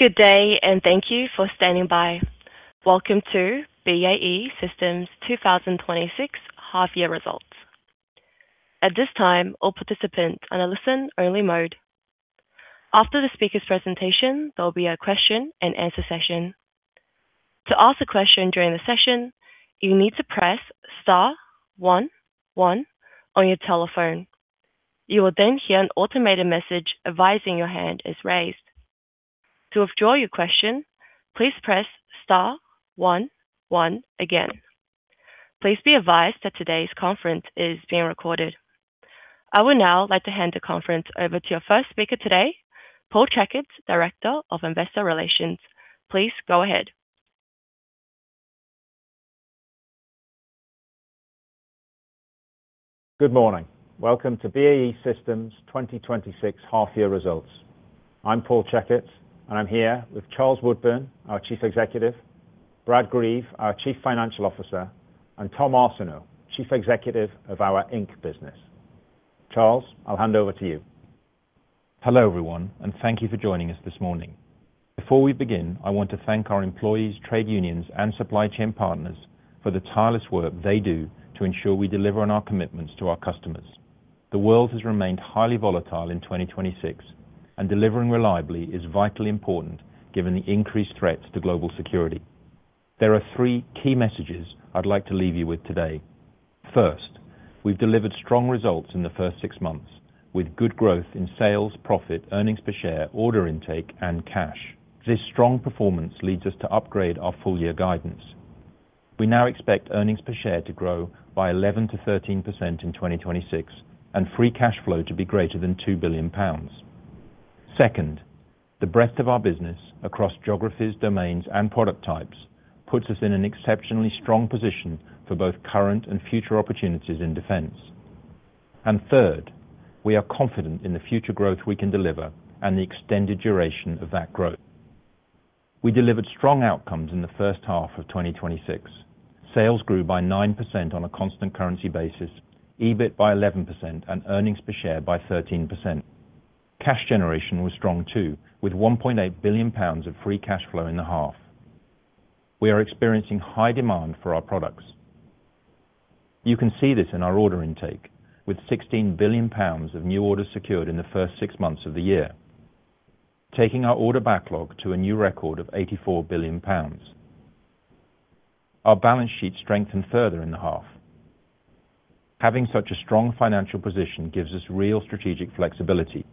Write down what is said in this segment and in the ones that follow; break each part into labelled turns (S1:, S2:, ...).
S1: Good day. Thank you for standing by. Welcome to BAE Systems' 2026 half-year results. At this time, all participants are in a listen-only mode. After the speaker's presentation, there will be a question and answer session. To ask a question during the session, you need to press star one one on your telephone. You will hear an automated message advising your hand is raised. To withdraw your question, please press star one one again. Please be advised that today's conference is being recorded. I would now like to hand the conference over to your first speaker today, Paul Checketts, Director of Investor Relations. Please go ahead.
S2: Good morning. Welcome to BAE Systems' 2026 half-year results. I'm Paul Checketts, and I'm here with Charles Woodburn, our Chief Executive, Brad Greve, our Chief Financial Officer, and Tom Arseneault, Chief Executive of our Inc. business. Charles, I'll hand over to you.
S3: Hello, everyone. Thank you for joining us this morning. Before we begin, I want to thank our employees, trade unions, and supply chain partners for the tireless work they do to ensure we deliver on our commitments to our customers. The world has remained highly volatile in 2026. Delivering reliably is vitally important given the increased threats to global security. There are three key messages I'd like to leave you with today. First, we've delivered strong results in the first six months, with good growth in sales, profit, earnings per share, order intake, and cash. This strong performance leads us to upgrade our full-year guidance. We now expect earnings per share to grow by 11%-13% in 2026 and free cash flow to be greater than 2 billion pounds. Second, the breadth of our business across geographies, domains, and product types puts us in an exceptionally strong position for both current and future opportunities in defense. Third, we are confident in the future growth we can deliver and the extended duration of that growth. We delivered strong outcomes in the first half of 2026. Sales grew by 9% on a constant currency basis, EBIT by 11%, and earnings per share by 13%. Cash generation was strong, too, with 1.8 billion pounds of free cash flow in the half. We are experiencing high demand for our products. You can see this in our order intake with 16 billion pounds of new orders secured in the first six months of the year, taking our order backlog to a new record of 84 billion pounds. Our balance sheet strengthened further in the half. Having such a strong financial position gives us real strategic flexibility.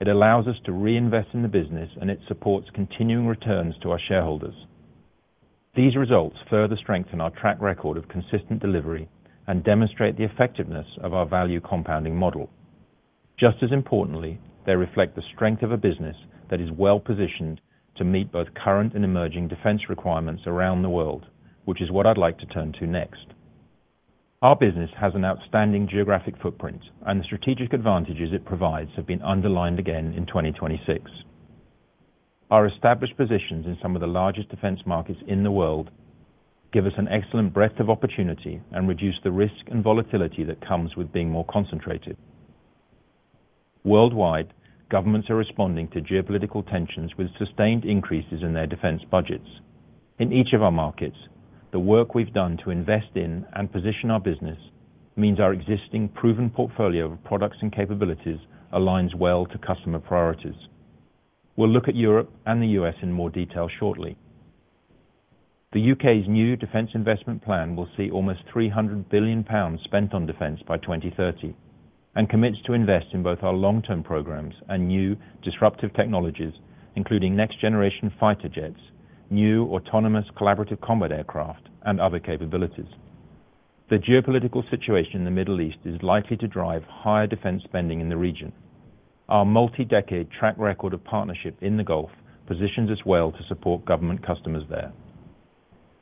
S3: It allows us to reinvest in the business. It supports continuing returns to our shareholders. These results further strengthen our track record of consistent delivery and demonstrate the effectiveness of our value compounding model. Just as importantly, they reflect the strength of a business that is well-positioned to meet both current and emerging defense requirements around the world, which is what I'd like to turn to next. Our business has an outstanding geographic footprint. The strategic advantages it provides have been underlined again in 2026. Our established positions in some of the largest defense markets in the world give us an excellent breadth of opportunity and reduce the risk and volatility that comes with being more concentrated. Worldwide, governments are responding to geopolitical tensions with sustained increases in their defense budgets. In each of our markets, the work we've done to invest in and position our business means our existing proven portfolio of products and capabilities aligns well to customer priorities. We'll look at Europe and the U.S. in more detail shortly. The U.K.'s new Defence Investment Plan will see almost 300 billion pounds spent on defense by 2030 and commits to invest in both our long-term programs and new disruptive technologies, including next-generation fighter jets, new autonomous Collaborative Combat Aircraft, and other capabilities. The geopolitical situation in the Middle East is likely to drive higher defense spending in the region. Our multi-decade track record of partnership in the Gulf positions us well to support government customers there.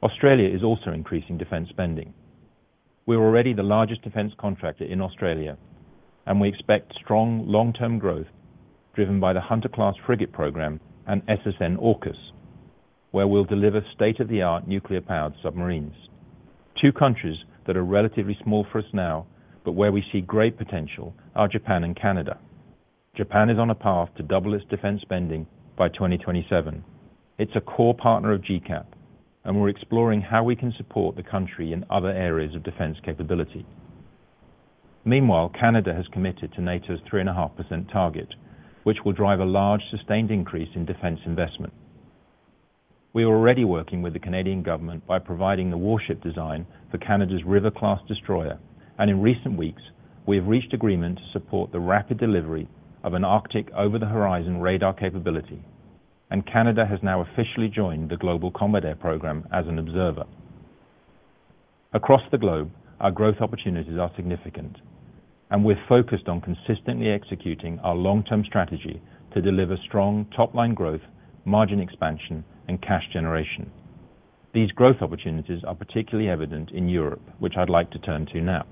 S3: Australia is also increasing defense spending. We're already the largest defense contractor in Australia. We expect strong long-term growth driven by the Hunter class frigate program and SSN-AUKUS, where we'll deliver state-of-the-art nuclear-powered submarines. Two countries that are relatively small for us now, but where we see great potential are Japan and Canada. Japan is on a path to double its defense spending by 2027. It's a core partner of GCAP. We're exploring how we can support the country in other areas of defense capability. Meanwhile, Canada has committed to NATO's 3.5% target, which will drive a large, sustained increase in defense investment. We are already working with the Canadian government by providing the warship design for Canada's River class destroyer. In recent weeks, we have reached agreement to support the rapid delivery of an Arctic Over-the-Horizon Radar capability. Canada has now officially joined the Global Combat Air Programme as an observer. Across the globe, our growth opportunities are significant. We're focused on consistently executing our long-term strategy to deliver strong top-line growth, margin expansion, and cash generation. These growth opportunities are particularly evident in Europe, which I'd like to turn to now.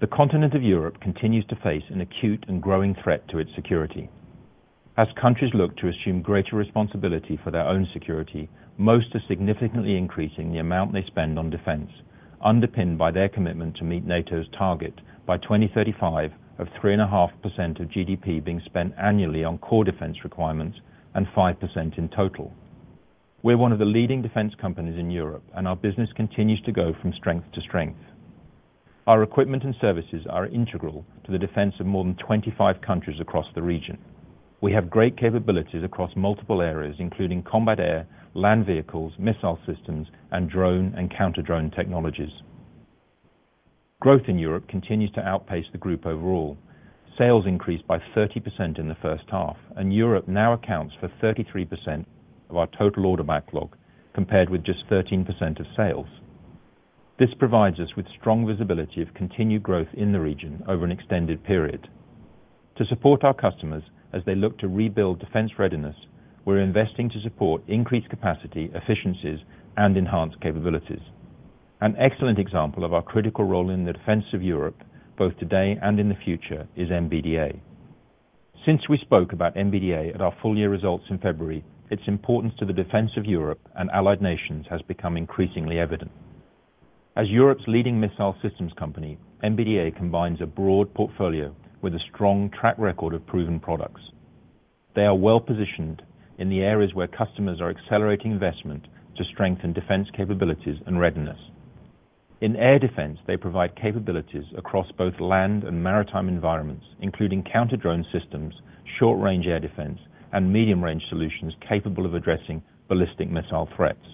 S3: The continent of Europe continues to face an acute and growing threat to its security. As countries look to assume greater responsibility for their own security, most are significantly increasing the amount they spend on defense, underpinned by their commitment to meet NATO's target by 2035 of 3.5% of GDP being spent annually on core defense requirements and 5% in total. We're one of the leading defense companies in Europe. Our business continues to go from strength to strength. Our equipment and services are integral to the defense of more than 25 countries across the region. We have great capabilities across multiple areas, including combat air, land vehicles, missile systems, and drone and counter-drone technologies. Growth in Europe continues to outpace the group overall. Sales increased by 30% in the first half, and Europe now accounts for 33% of our total order backlog, compared with just 13% of sales. This provides us with strong visibility of continued growth in the region over an extended period. To support our customers as they look to rebuild defense readiness, we're investing to support increased capacity, efficiencies, and enhanced capabilities. An excellent example of our critical role in the defense of Europe, both today and in the future, is MBDA. Since we spoke about MBDA at our full-year results in February, its importance to the defense of Europe and allied nations has become increasingly evident. As Europe's leading missile systems company, MBDA combines a broad portfolio with a strong track record of proven products. They are well-positioned in the areas where customers are accelerating investment to strengthen defense capabilities and readiness. In air defense, they provide capabilities across both land and maritime environments, including counter-drone systems, short-range air defense, and medium-range solutions capable of addressing ballistic missile threats.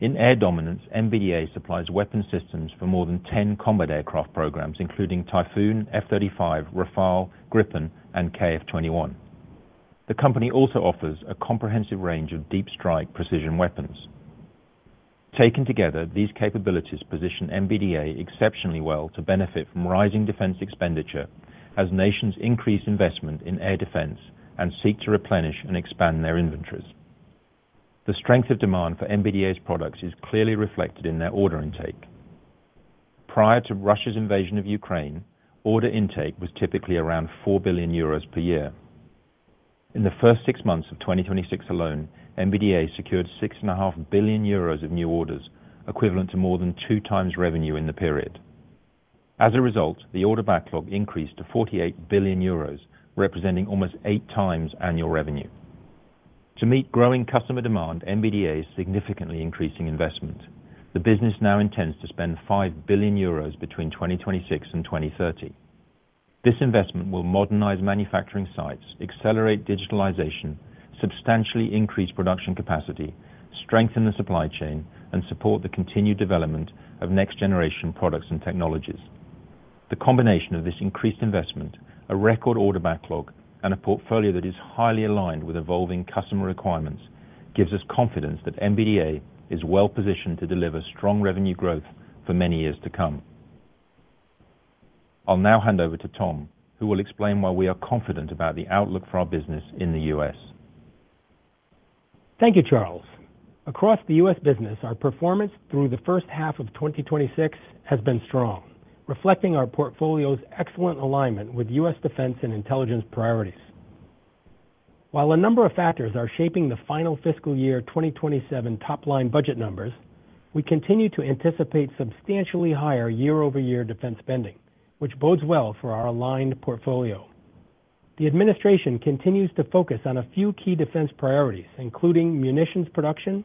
S3: In air dominance, MBDA supplies weapon systems for more than 10 combat aircraft programs, including Typhoon, F-35, Rafale, Gripen, and KF-21. The company also offers a comprehensive range of deep-strike precision weapons. Taken together, these capabilities position MBDA exceptionally well to benefit from rising defense expenditure as nations increase investment in air defense and seek to replenish and expand their inventories. The strength of demand for MBDA's products is clearly reflected in their order intake. Prior to Russia's invasion of Ukraine, order intake was typically around 4 billion euros per year. In the first six months of 2026 alone, MBDA secured 6.5 billion euros of new orders, equivalent to more than two times revenue in the period. As a result, the order backlog increased to 48 billion euros, representing almost eight times annual revenue. To meet growing customer demand, MBDA is significantly increasing investment. The business now intends to spend 5 billion euros between 2026 and 2030. This investment will modernize manufacturing sites, accelerate digitalization, substantially increase production capacity, strengthen the supply chain, and support the continued development of next-generation products and technologies. The combination of this increased investment, a record order backlog, and a portfolio that is highly aligned with evolving customer requirements gives us confidence that MBDA is well-positioned to deliver strong revenue growth for many years to come. I'll now hand over to Tom, who will explain why we are confident about the outlook for our business in the U.S.
S4: Thank you, Charles. Across the U.S. business, our performance through the first half of 2026 has been strong, reflecting our portfolio's excellent alignment with U.S. defense and intelligence priorities. While a number of factors are shaping the final fiscal year 2027 top-line budget numbers, we continue to anticipate substantially higher year-over-year defense spending, which bodes well for our aligned portfolio. The administration continues to focus on a few key defense priorities, including munitions production,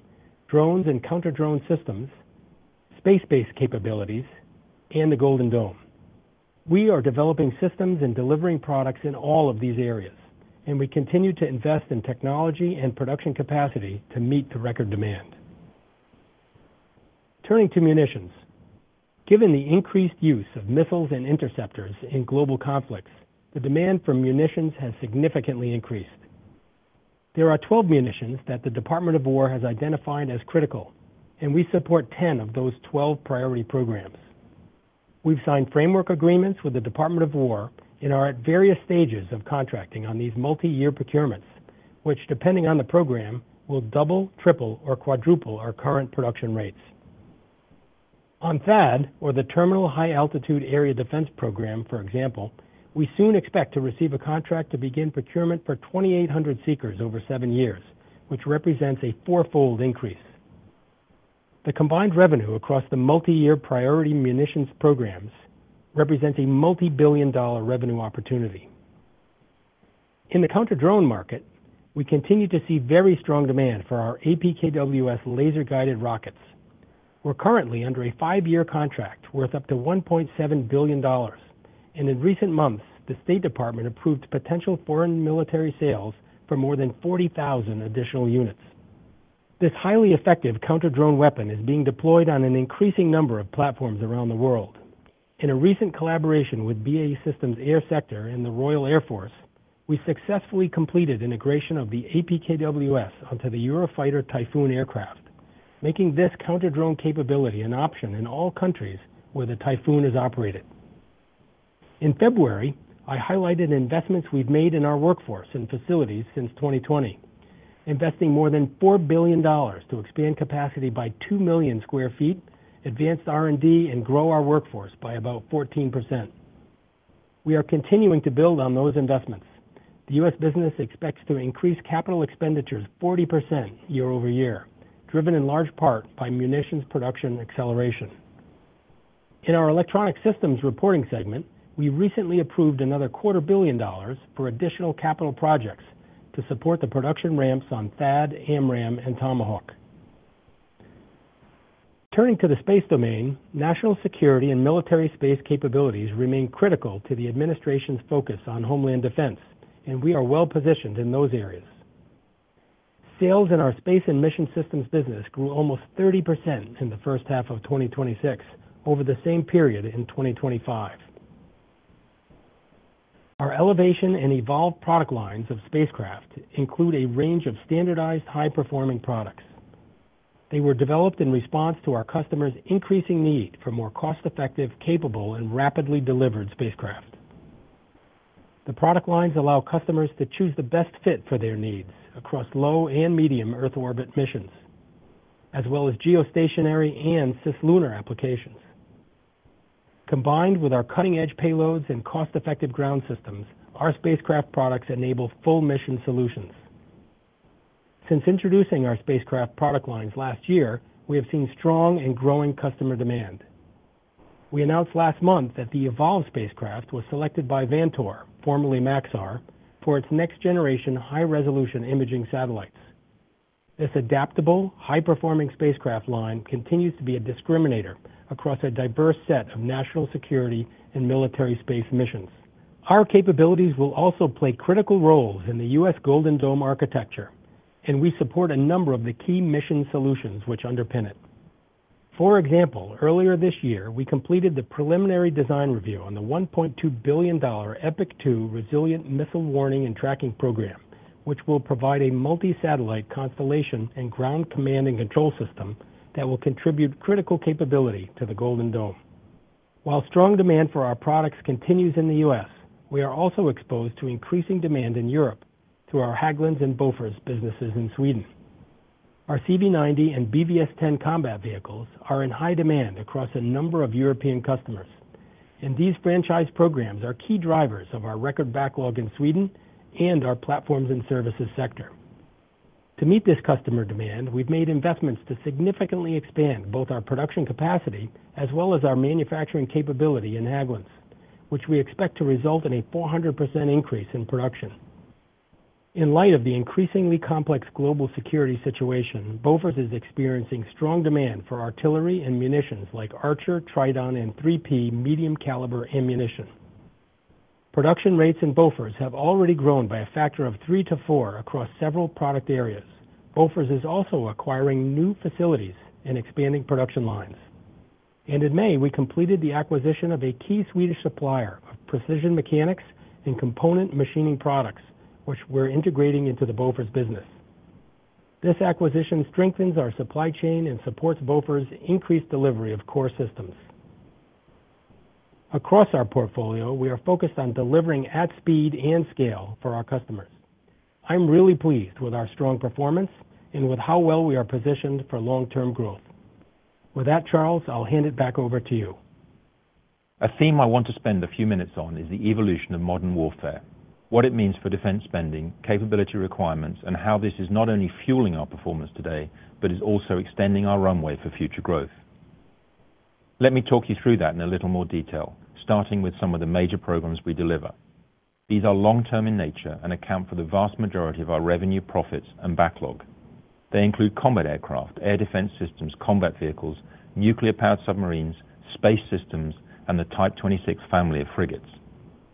S4: drones and counter-drone systems, space-based capabilities, and the Golden Dome. We are developing systems and delivering products in all of these areas, we continue to invest in technology and production capacity to meet the record demand. Turning to munitions, given the increased use of missiles and interceptors in global conflicts, the demand for munitions has significantly increased. There are 12 munitions that the Department of War has identified as critical, we support 10 of those 12 priority programs. We've signed framework agreements with the Department of War and are at various stages of contracting on these multi-year procurements, which, depending on the program, will double, triple, or quadruple our current production rates. On THAAD, or the Terminal High Altitude Area Defense program, for example, we soon expect to receive a contract to begin procurement for 2,800 seekers over seven years, which represents a fourfold increase. The combined revenue across the multi-year priority munitions programs represents a multi-billion-dollar revenue opportunity. In the counter-drone market, we continue to see very strong demand for our APKWS laser-guided rockets. We're currently under a five-year contract worth up to $1.7 billion, in recent months, the State Department approved potential foreign military sales for more than 40,000 additional units. This highly effective counter-drone weapon is being deployed on an increasing number of platforms around the world. In a recent collaboration with BAE Systems Air Sector and the Royal Air Force, we successfully completed integration of the APKWS onto the Eurofighter Typhoon aircraft, making this counter-drone capability an option in all countries where the Typhoon is operated. In February, I highlighted investments we've made in our workforce and facilities since 2020, investing more than $4 billion to expand capacity by 2 million sq ft, advance R&D, and grow our workforce by about 14%. We are continuing to build on those investments. The U.S. business expects to increase CapEx 40% year-over-year, driven in large part by munitions production acceleration. In our Electronic Systems reporting segment, we recently approved another $250 million for additional capital projects to support the production ramps on THAAD, AMRAAM, and Tomahawk. Turning to the space domain, national security and military space capabilities remain critical to the administration's focus on homeland defense, we are well-positioned in those areas. Sales in our Space & Mission Systems business grew almost 30% in the first half of 2026 over the same period in 2025. Our Elevation and Evolve product lines of spacecraft include a range of standardized high-performing products. They were developed in response to our customers' increasing need for more cost-effective, capable, and rapidly delivered spacecraft. The product lines allow customers to choose the best fit for their needs across low and medium Earth orbit missions, as well as geostationary and cislunar applications. Combined with our cutting-edge payloads and cost-effective ground systems, our spacecraft products enable full mission solutions. Since introducing our spacecraft product lines last year, we have seen strong and growing customer demand. We announced last month that the Evolve spacecraft was selected by Vantor, formerly Maxar, for its next-generation high-resolution imaging satellites. This adaptable, high-performing spacecraft line continues to be a discriminator across a diverse set of national security and military space missions. Our capabilities will also play critical roles in the U.S. Golden Dome architecture, and we support a number of the key mission solutions which underpin it. For example, earlier this year, we completed the preliminary design review on the $1.2 billion Epoch 2 resilient missile warning and tracking program, which will provide a multi-satellite constellation and ground command and control system that will contribute critical capability to the Golden Dome. While strong demand for our products continues in the U.S., we are also exposed to increasing demand in Europe through our Hägglunds and Bofors businesses in Sweden. Our CV90 and BvS10 combat vehicles are in high demand across a number of European customers, and these franchise programs are key drivers of our record backlog in Sweden and our Platforms & Services sector. To meet this customer demand, we've made investments to significantly expand both our production capacity as well as our manufacturing capability in Hägglunds, which we expect to result in a 400% increase in production. In light of the increasingly complex global security situation, Bofors is experiencing strong demand for artillery and munitions like ARCHER, TRIDON, and 3P medium-caliber ammunition. Production rates in Bofors have already grown by a factor of 3-4 across several product areas. Bofors is also acquiring new facilities and expanding production lines. In May, we completed the acquisition of a key Swedish supplier of precision mechanics and component machining products, which we're integrating into the Bofors business. This acquisition strengthens our supply chain and supports Bofors' increased delivery of core systems. Across our portfolio, we are focused on delivering at speed and scale for our customers. I'm really pleased with our strong performance and with how well we are positioned for long-term growth. With that, Charles, I'll hand it back over to you.
S3: A theme I want to spend a few minutes on is the evolution of modern warfare, what it means for defense spending, capability requirements, and how this is not only fueling our performance today, but is also extending our runway for future growth. Let me talk you through that in a little more detail, starting with some of the major programs we deliver. These are long-term in nature and account for the vast majority of our revenue, profits, and backlog. They include combat aircraft, air defense systems, combat vehicles, nuclear-powered submarines, space systems, and the Type 26 family of frigates.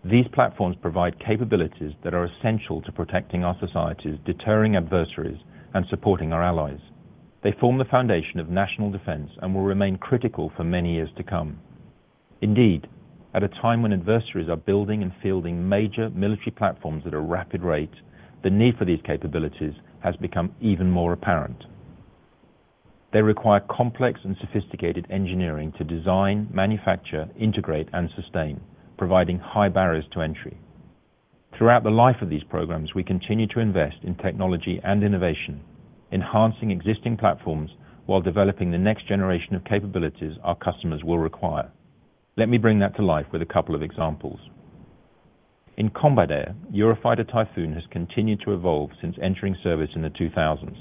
S3: These platforms provide capabilities that are essential to protecting our societies, deterring adversaries, and supporting our allies. They form the foundation of national defense and will remain critical for many years to come. Indeed, at a time when adversaries are building and fielding major military platforms at a rapid rate, the need for these capabilities has become even more apparent. They require complex and sophisticated engineering to design, manufacture, integrate, and sustain, providing high barriers to entry. Throughout the life of these programs, we continue to invest in technology and innovation, enhancing existing platforms while developing the next generation of capabilities our customers will require. Let me bring that to life with a couple of examples. In combat air, Eurofighter Typhoon has continued to evolve since entering service in the 2000s.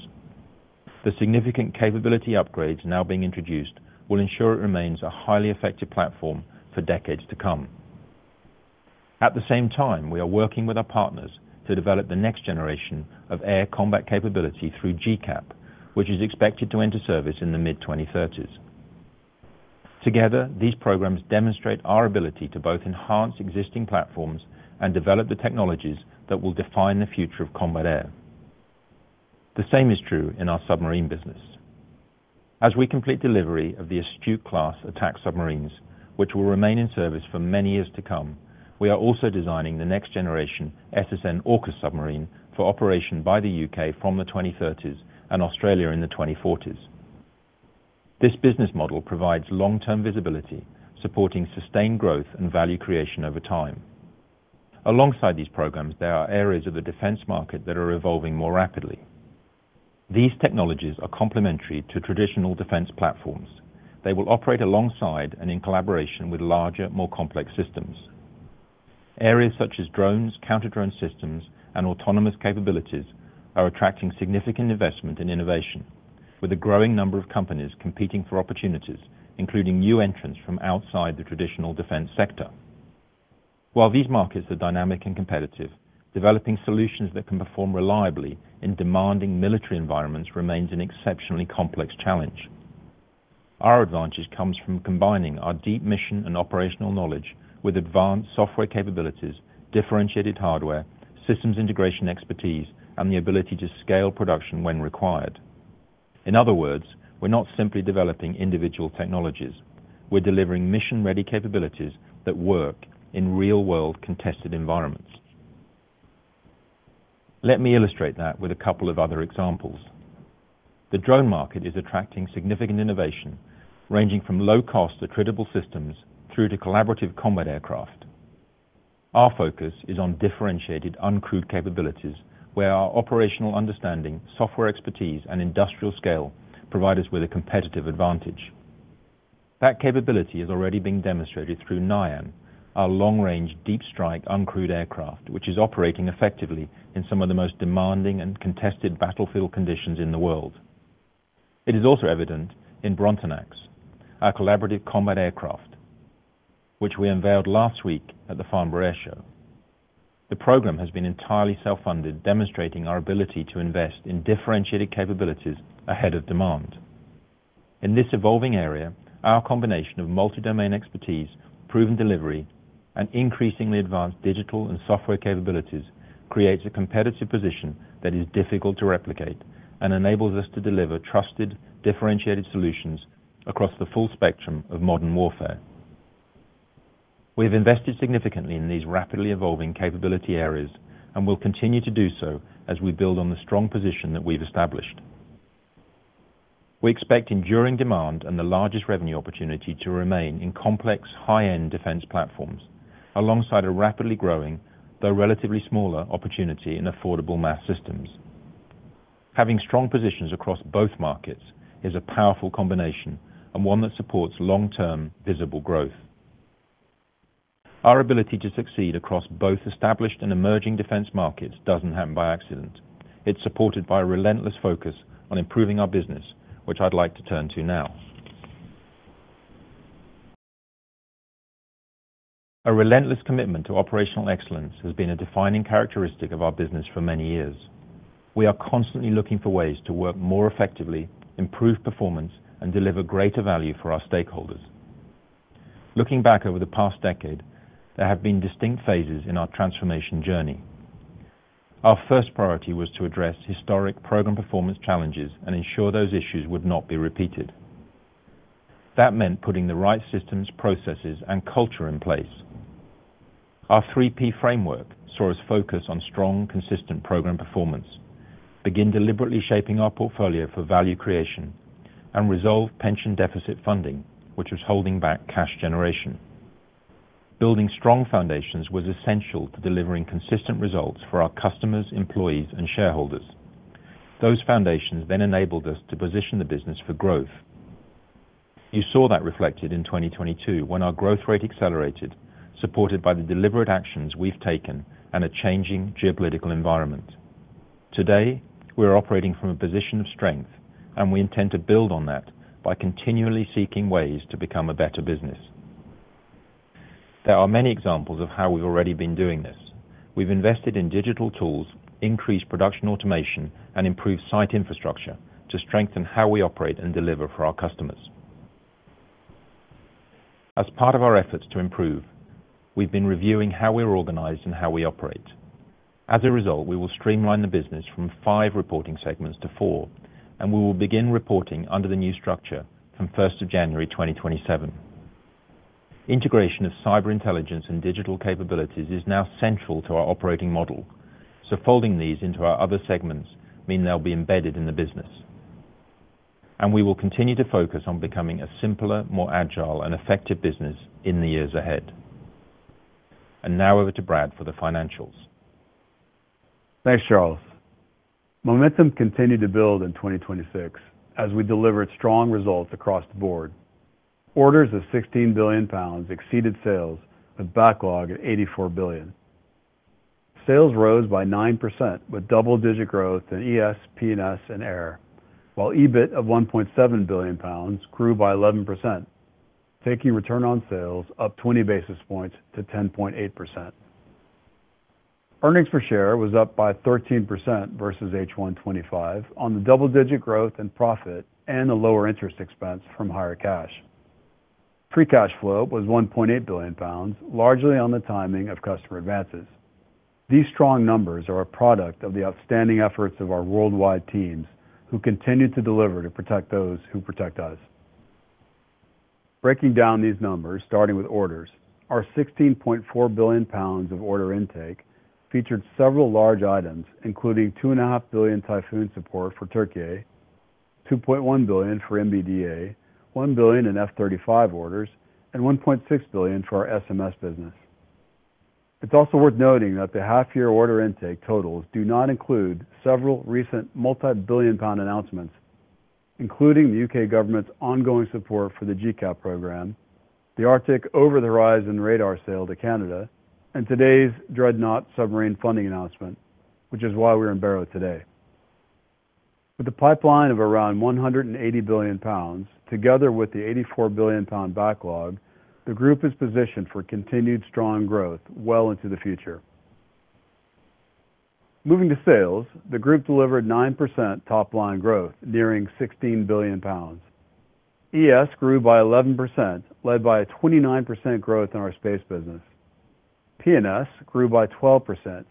S3: The significant capability upgrades now being introduced will ensure it remains a highly effective platform for decades to come. At the same time, we are working with our partners to develop the next generation of air combat capability through GCAP, which is expected to enter service in the mid-2030s. Together, these programs demonstrate our ability to both enhance existing platforms and develop the technologies that will define the future of combat air. The same is true in our submarine business. As we complete delivery of the Astute-class attack submarines, which will remain in service for many years to come, we are also designing the next-generation SSN-AUKUS submarine for operation by the U.K. from the 2030s and Australia in the 2040s. This business model provides long-term visibility, supporting sustained growth and value creation over time. Alongside these programs, there are areas of the defense market that are evolving more rapidly. These technologies are complementary to traditional defense platforms. They will operate alongside and in collaboration with larger, more complex systems. Areas such as drones, counter-drone systems, and autonomous capabilities are attracting significant investment in innovation, with a growing number of companies competing for opportunities, including new entrants from outside the traditional defense sector. While these markets are dynamic and competitive, developing solutions that can perform reliably in demanding military environments remains an exceptionally complex challenge. Our advantage comes from combining our deep mission and operational knowledge with advanced software capabilities, differentiated hardware, systems integration expertise, and the ability to scale production when required. In other words, we're not simply developing individual technologies. We're delivering mission-ready capabilities that work in real-world contested environments. Let me illustrate that with a couple of other examples. The drone market is attracting significant innovation, ranging from low-cost, attritable systems through to collaborative combat aircraft. Our focus is on differentiated uncrewed capabilities, where our operational understanding, software expertise, and industrial scale provide us with a competitive advantage. That capability has already been demonstrated through Taranis, our long-range deep-strike uncrewed aircraft, which is operating effectively in some of the most demanding and contested battlefield conditions in the world. It is also evident in Brontanax, our Collaborative Combat Aircraft, which we unveiled last week at the Farnborough Airshow. The program has been entirely self-funded, demonstrating our ability to invest in differentiated capabilities ahead of demand. In this evolving area, our combination of multi-domain expertise, proven delivery, and increasingly advanced digital and software capabilities creates a competitive position that is difficult to replicate and enables us to deliver trusted, differentiated solutions across the full spectrum of modern warfare. We have invested significantly in these rapidly evolving capability areas and will continue to do so as we build on the strong position that we've established. We expect enduring demand and the largest revenue opportunity to remain in complex, high-end defense platforms alongside a rapidly growing, though relatively smaller, opportunity in affordable mass systems. Having strong positions across both markets is a powerful combination and one that supports long-term visible growth. Our ability to succeed across both established and emerging defense markets doesn't happen by accident. It's supported by a relentless focus on improving our business, which I'd like to turn to now. A relentless commitment to operational excellence has been a defining characteristic of our business for many years. We are constantly looking for ways to work more effectively, improve performance, and deliver greater value for our stakeholders. Looking back over the past decade, there have been distinct phases in our transformation journey. Our first priority was to address historic program performance challenges and ensure those issues would not be repeated. That meant putting the right systems, processes, and culture in place. Our three P framework saw us focus on strong, consistent program performance, begin deliberately shaping our portfolio for value creation, and resolve pension deficit funding, which was holding back cash generation. Building strong foundations was essential to delivering consistent results for our customers, employees, and shareholders. Those foundations enabled us to position the business for growth. You saw that reflected in 2022, when our growth rate accelerated, supported by the deliberate actions we've taken and a changing geopolitical environment. Today, we are operating from a position of strength. We intend to build on that by continually seeking ways to become a better business. There are many examples of how we've already been doing this. We've invested in digital tools, increased production automation, and improved site infrastructure to strengthen how we operate and deliver for our customers. As part of our efforts to improve, we've been reviewing how we're organized and how we operate. As a result, we will streamline the business from five reporting segments to four, and we will begin reporting under the new structure from 1st of January 2027. Integration of cyber intelligence and digital capabilities is now central to our operating model, folding these into our other segments mean they'll be embedded in the business. We will continue to focus on becoming a simpler, more agile, and effective business in the years ahead. Now over to Brad for the financials.
S5: Thanks, Charles. Momentum continued to build in 2026 as we delivered strong results across the board. Orders of 16 billion pounds exceeded sales, with backlog at 84 billion. Sales rose by 9%, with double-digit growth in ES, P&S, and AIR, while EBIT of 1.7 billion pounds grew by 11%, taking return on sales up 20 basis points to 10.8%. Earnings per share was up by 13% versus H1 2025 on the double-digit growth and profit and a lower interest expense from higher cash. Free cash flow was 1.8 billion pounds, largely on the timing of customer advances. These strong numbers are a product of the outstanding efforts of our worldwide teams, who continue to deliver to protect those who protect us. Breaking down these numbers, starting with orders, our 16.4 billion pounds of order intake featured several large items, including 2.5 billion Typhoon support for Turkey, 2.1 billion for MBDA, 1 billion in F-35 orders, and 1.6 billion for our SMS business. It is also worth noting that the half-year order intake totals do not include several recent multi-billion GBP announcements, including the U.K. government's ongoing support for the GCAP program, the Arctic Over-the-Horizon Radar sale to Canada, and today's Dreadnought submarine funding announcement, which is why we are in Barrow today. With a pipeline of around 180 billion pounds, together with the 84 billion pound backlog, the group is positioned for continued strong growth well into the future. Moving to sales, the group delivered 9% top-line growth, nearing 16 billion pounds. ES grew by 11%, led by a 29% growth in our space business. P&S grew by 12%,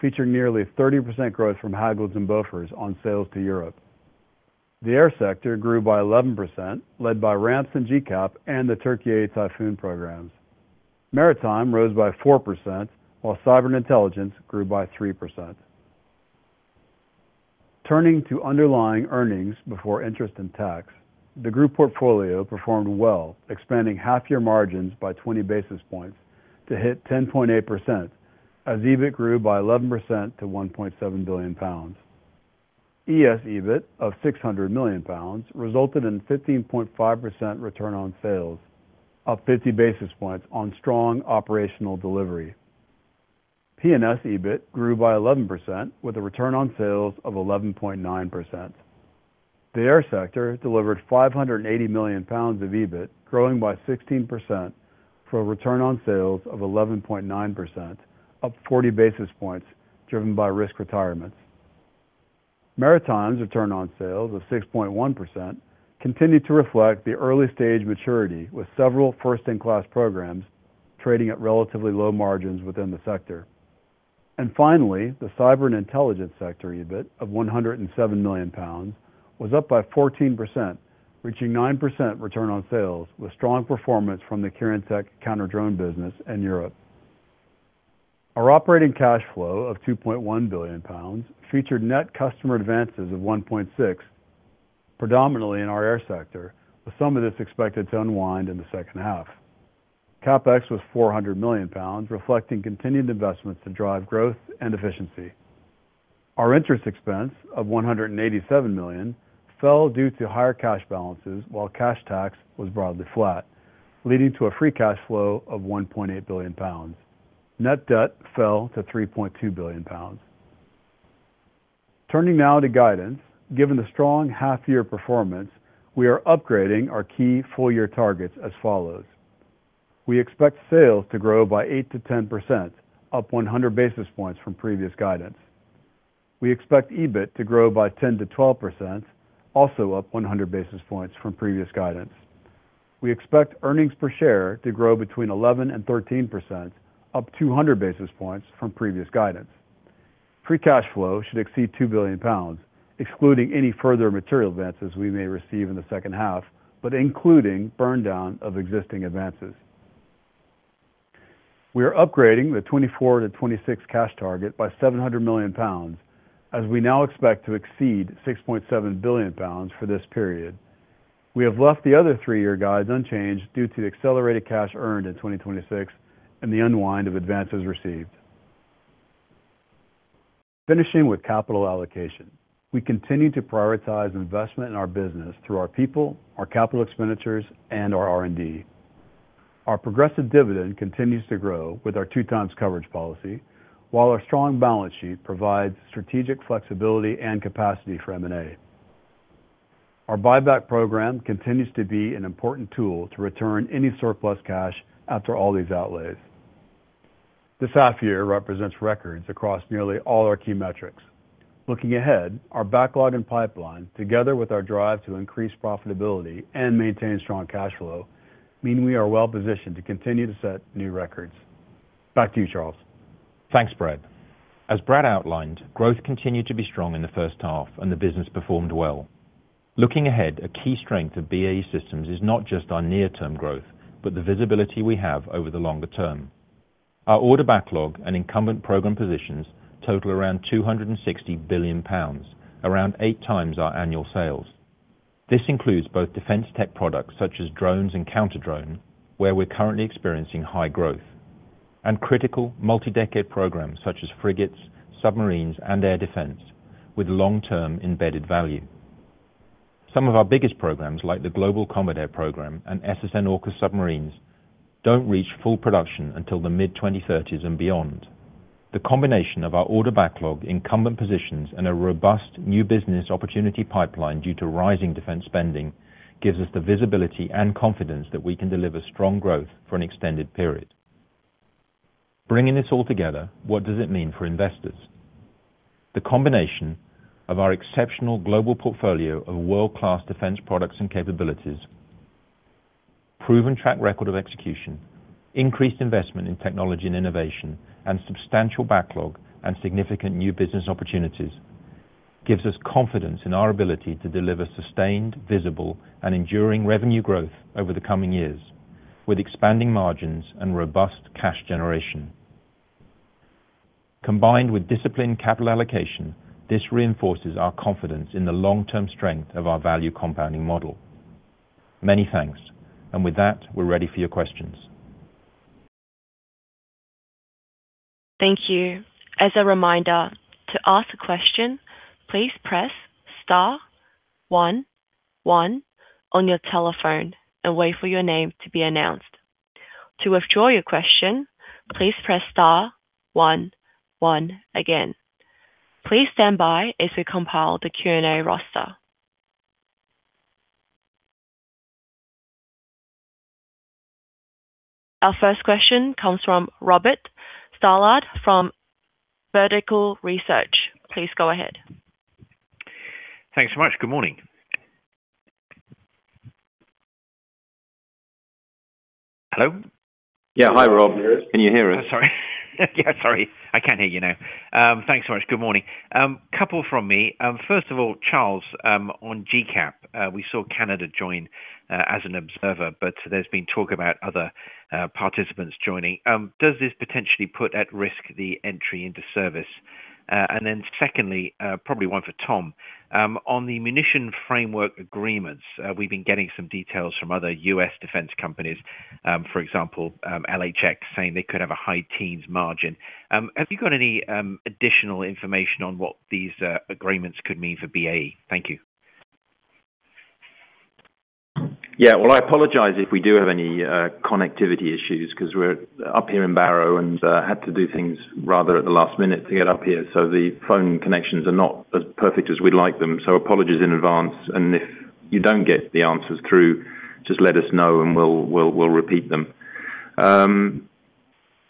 S5: featuring nearly 30% growth from Hägglunds and Bofors on sales to Europe. The air sector grew by 11%, led by Rapid Assured Microelectronics Prototypes and GCAP and the Türkiye Typhoon programs. Maritime rose by 4%, while cyber and intelligence grew by 3%. Turning to underlying earnings before interest and tax, the group portfolio performed well, expanding half-year margins by 20 basis points to hit 10.8% as EBIT grew by 11% to 1.7 billion pounds. ES EBIT of 600 million pounds resulted in 15.5% return on sales, up 50 basis points on strong operational delivery. P&S EBIT grew by 11% with a return on sales of 11.9%. The air sector delivered 580 million pounds of EBIT, growing by 16% for a return on sales of 11.9%, up 40 basis points, driven by risk retirements. Maritime's return on sales of 6.1% continued to reflect the early-stage maturity, with several first-in-class programs trading at relatively low margins within the sector. Finally, the cyber and intelligence sector EBIT of 107 million pounds was up by 14%, reaching 9% return on sales, with strong performance from the Kirintec counter-drone business in Europe. Our operating cash flow of 2.1 billion pounds featured net customer advances of 1.6 billion, predominantly in our air sector, with some of this expected to unwind in the second half. CapEx was 400 million pounds, reflecting continued investments to drive growth and efficiency. Our interest expense of 187 million fell due to higher cash balances, while cash tax was broadly flat, leading to a free cash flow of 1.8 billion pounds. Net debt fell to 3.2 billion pounds. Turning now to guidance. Given the strong half-year performance, we are upgrading our key full-year targets as follows. We expect sales to grow by 8%-10%, up 100 basis points from previous guidance. We expect EBIT to grow by 10%-12%, also up 100 basis points from previous guidance. We expect earnings per share to grow between 11% and 13%, up 200 basis points from previous guidance. Free cash flow should exceed 2 billion pounds, excluding any further material advances we may receive in the second half, but including burn down of existing advances. We are upgrading the 2024-2026 cash target by 700 million pounds, as we now expect to exceed 6.7 billion pounds for this period. We have left the other three-year guides unchanged due to the accelerated cash earned in 2026 and the unwind of advances received. Finishing with capital allocation. We continue to prioritize investment in our business through our people, our capital expenditures, and our R&D. Our progressive dividend continues to grow with our two times coverage policy, while our strong balance sheet provides strategic flexibility and capacity for M&A. Our buyback program continues to be an important tool to return any surplus cash after all these outlays. This half-year represents records across nearly all our key metrics. Looking ahead, our backlog and pipeline, together with our drive to increase profitability and maintain strong cash flow, mean we are well-positioned to continue to set new records. Back to you, Charles.
S3: Thanks, Brad. As Brad outlined, growth continued to be strong in the first half and the business performed well. Looking ahead, a key strength of BAE Systems is not just our near-term growth, but the visibility we have over the longer term. Our order backlog and incumbent program positions total around 260 billion pounds, around eight times our annual sales. This includes both defense tech products such as drones and counter-drone, where we're currently experiencing high growth, and critical multi-decade programs such as frigates, submarines, and air defense with long-term embedded value. Some of our biggest programs, like the Global Combat Air Programme and SSN-AUKUS submarines, don't reach full production until the mid-2030s and beyond. The combination of our order backlog, incumbent positions, and a robust new business opportunity pipeline due to rising defense spending gives us the visibility and confidence that we can deliver strong growth for an extended period. Bringing this all together, what does it mean for investors? The combination of our exceptional global portfolio of world-class defense products and capabilities, proven track record of execution, increased investment in technology and innovation, and substantial backlog and significant new business opportunities gives us confidence in our ability to deliver sustained, visible, and enduring revenue growth over the coming years, with expanding margins and robust cash generation. Combined with disciplined capital allocation, this reinforces our confidence in the long-term strength of our value compounding model. Many thanks. With that, we're ready for your questions.
S1: Thank you. As a reminder, to ask a question, please press star one one on your telephone and wait for your name to be announced. To withdraw your question, please press star one one again. Please stand by as we compile the Q&A roster. Our first question comes from Robert Stallard from Vertical Research. Please go ahead.
S6: Thanks much. Good morning. Hello?
S3: Yeah. Hi, Rob. Can you hear us?
S6: Sorry. Yeah, sorry. I can hear you now. Thanks very much. Good morning. Couple from me. First of all, Charles, on GCAP, we saw Canada join as an observer. There's been talk about other participants joining. Does this potentially put at risk the entry into service? Secondly, probably one for Tom. On the munition framework agreements, we've been getting some details from other U.S. defense companies, for example, LHX, saying they could have a high teens margin. Have you got any additional information on what these agreements could mean for BAE? Thank you.
S3: Yeah. Well, I apologize if we do have any connectivity issues, because we're up here in Barrow, and had to do things rather at the last minute to get up here. The phone connections are not as perfect as we'd like them. Apologies in advance, and if you don't get the answers through, just let us know and we'll repeat them.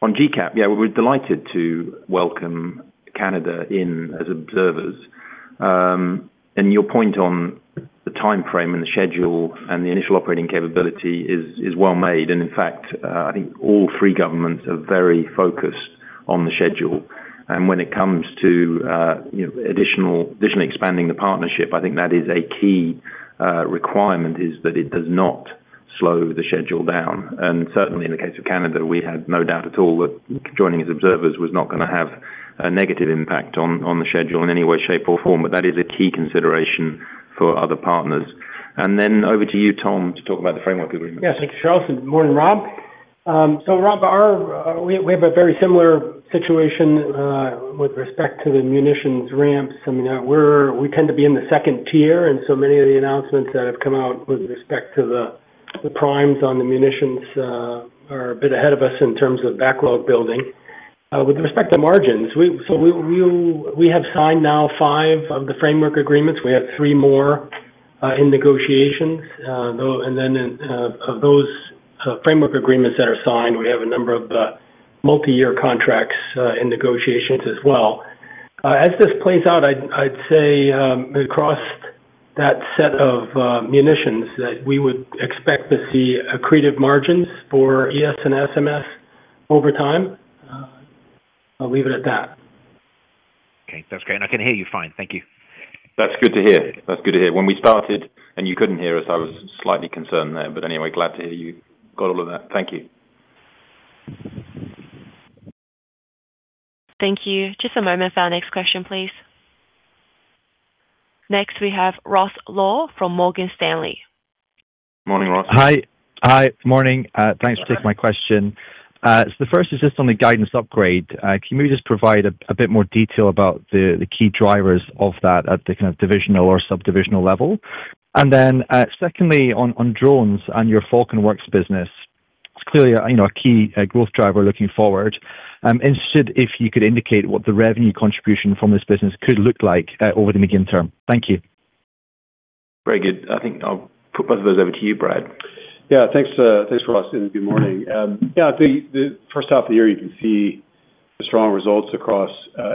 S3: On GCAP, yeah, we're delighted to welcome Canada in as observers. Your point on the timeframe and the schedule and the initial operating capability is well made. In fact, I think all three governments are very focused on the schedule. When it comes to additionally expanding the partnership, I think that is a key requirement is that it does not slow the schedule down. Certainly in the case of Canada, we had no doubt at all that joining as observers was not going to have a negative impact on the schedule in any way, shape, or form. That is a key consideration for other partners. Then over to you, Tom, to talk about the framework agreement.
S4: Yes, thank you, Charles, and good morning, Rob. Rob, we have a very similar situation with respect to the munitions ramps. We tend to be in the Tier 2, many of the announcements that have come out with respect to the primes on the munitions are a bit ahead of us in terms of backlog building. With respect to margins, we have signed now five of the framework agreements. We have three more in negotiations. Then of those framework agreements that are signed, we have a number of multi-year contracts in negotiations as well. As this plays out, I'd say across that set of munitions, that we would expect to see accretive margins for ES and SMS over time. I'll leave it at that.
S6: Okay, that's great. I can hear you fine. Thank you.
S3: That's good to hear. When we started and you couldn't hear us, I was slightly concerned there. Anyway, glad to hear you got all of that. Thank you.
S1: Thank you. Just a moment for our next question, please. Next, we have Ross Law from Morgan Stanley.
S3: Morning, Ross.
S7: Hi. Morning. Thanks for taking my question. The first is just on the guidance upgrade. Can you just provide a bit more detail about the key drivers of that at the kind of divisional or sub-divisional level? Secondly, on drones and your FalconWorks business. It's clearly a key growth driver looking forward. I'm interested if you could indicate what the revenue contribution from this business could look like over the medium term. Thank you.
S3: Very good. I think I'll put both of those over to you, Brad.
S5: Thanks, Ross, and good morning. Yeah, the first half of the year, you can see the strong results across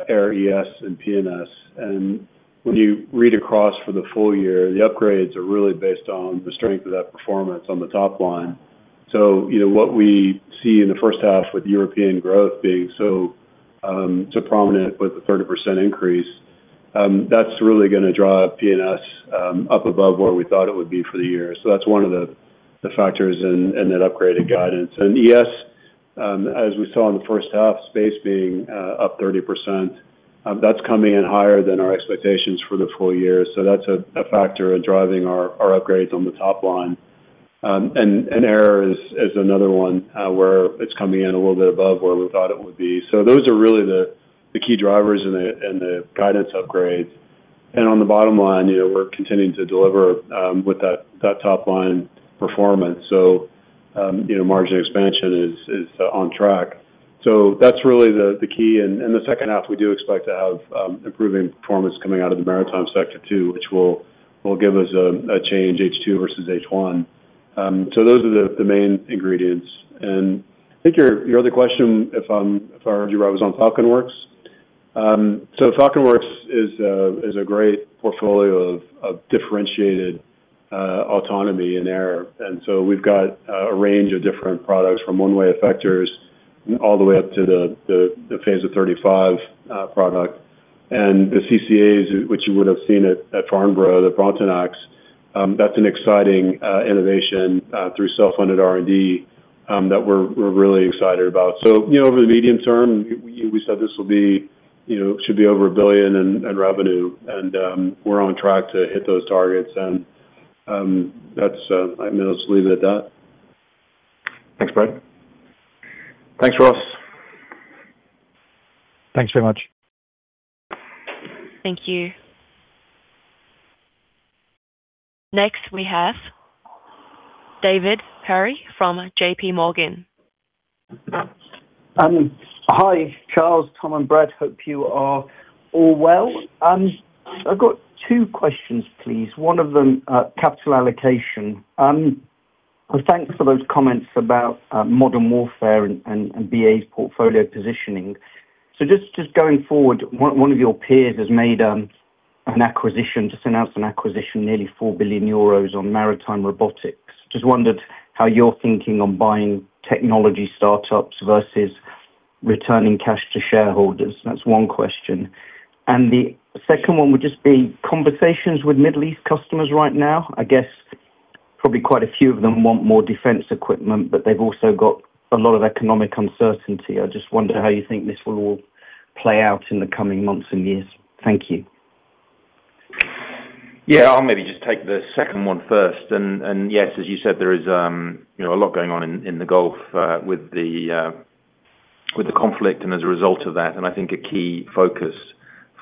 S5: Air, ES, and P&S. When you read across for the full year, the upgrades are really based on the strength of that performance on the top line. What we see in the first half with European growth being so prominent with the 30% increase, that's really going to drive P&S up above where we thought it would be for the year. That's one of the factors in that upgraded guidance. ES, as we saw in the first half, Space being up 30%, that's coming in higher than our expectations for the full year. That's a factor of driving our upgrades on the top line. Air is another one where it's coming in a little bit above where we thought it would be. Those are really the key drivers in the guidance upgrades. On the bottom line, we're continuing to deliver with that top-line performance. Margin expansion is on track. That's really the key. In the second half, we do expect to have improving performance coming out of the maritime sector too, which will give us a change H2 versus H1. Those are the main ingredients. I think your other question, if I heard you right, was on FalconWorks. FalconWorks is a great portfolio of differentiated autonomy in Air. We've got a range of different products from one-way effectors all the way up to the PHASA-35 product. The CCAs, which you would have seen at Farnborough, the Brontanax. That's an exciting innovation through self-funded R&D that we're really excited about. Over the medium term, we said this should be over 1 billion in revenue, we're on track to hit those targets, I'll just leave it at that.
S7: Thanks, Brad.
S5: Thanks, Ross.
S7: Thanks very much.
S1: Thank you. We have David Perry from JPMorgan.
S8: Hi, Charles, Tom, and Brad. Hope you are all well. I've got two questions, please. One of them, capital allocation. Thanks for those comments about modern warfare and BAE's portfolio positioning. Just going forward, one of your peers has made an acquisition, just announced an acquisition, nearly 4 billion euros on maritime robotics. Just wondered how you're thinking on buying technology startups versus returning cash to shareholders. That's one question. The second one would just be conversations with Middle East customers right now. I guess probably quite a few of them want more defense equipment, but they've also got a lot of economic uncertainty. I just wonder how you think this will all play out in the coming months and years. Thank you.
S3: I'll maybe just take the second one first. Yes, as you said, there is a lot going on in the Gulf with the conflict, as a result of that, I think a key focus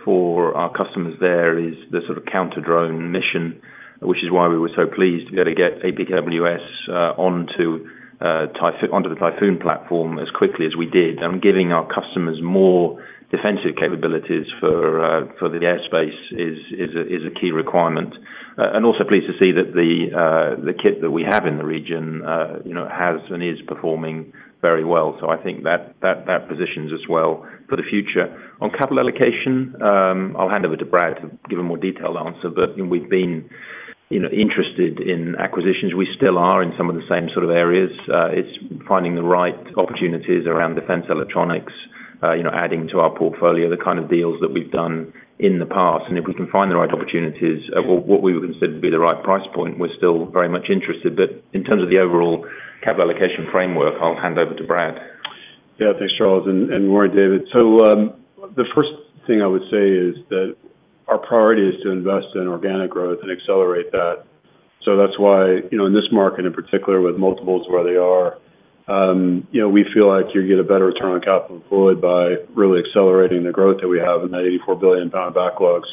S3: for our customers there is the sort of counter-drone mission, which is why we were so pleased to be able to get APKWS onto the Typhoon platform as quickly as we did. Giving our customers more defensive capabilities for the airspace is a key requirement. Also pleased to see that the kit that we have in the region has and is performing very well. I think that positions us well for the future. On capital allocation, I'll hand over to Brad to give a more detailed answer, but we've been interested in acquisitions. We still are in some of the same sort of areas. It's finding the right opportunities around defense electronics, adding to our portfolio, the kind of deals that we've done in the past, if we can find the right opportunities at what we would consider to be the right price point, we're still very much interested. In terms of the overall capital allocation framework, I'll hand over to Brad.
S5: Thanks, Charles, and morning, David. The first thing I would say is that our priority is to invest in organic growth and accelerate that. That's why, in this market in particular, with multiples where they are, we feel like you get a better return on capital deployed by really accelerating the growth that we have in that 84 billion pound backlog.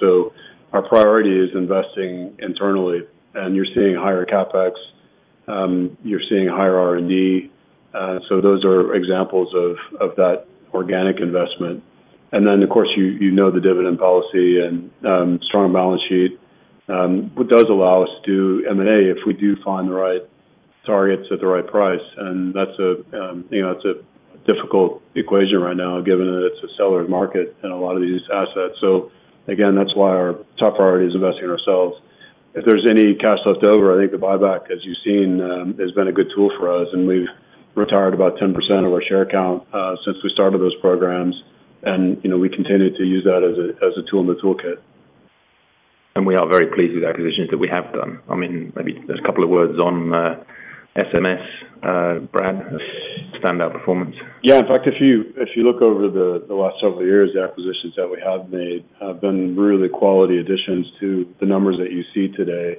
S5: Our priority is investing internally, you're seeing higher CapEx, you're seeing higher R&D. Those are examples of that organic investment. Then, of course, you know the dividend policy and strong balance sheet, what does allow us to do M&A if we do find the right targets at the right price. That's a difficult equation right now, given that it's a seller's market in a lot of these assets. Again, that's why our top priority is investing in ourselves. If there's any cash left over, I think the buyback, as you've seen, has been a good tool for us, we've retired about 10% of our share count since we started those programs, we continue to use that as a tool in the toolkit.
S3: We are very pleased with the acquisitions that we have done. I mean, maybe there's a couple of words on SMS, Brad, standout performance.
S5: In fact, if you look over the last several years, the acquisitions that we have made have been really quality additions to the numbers that you see today.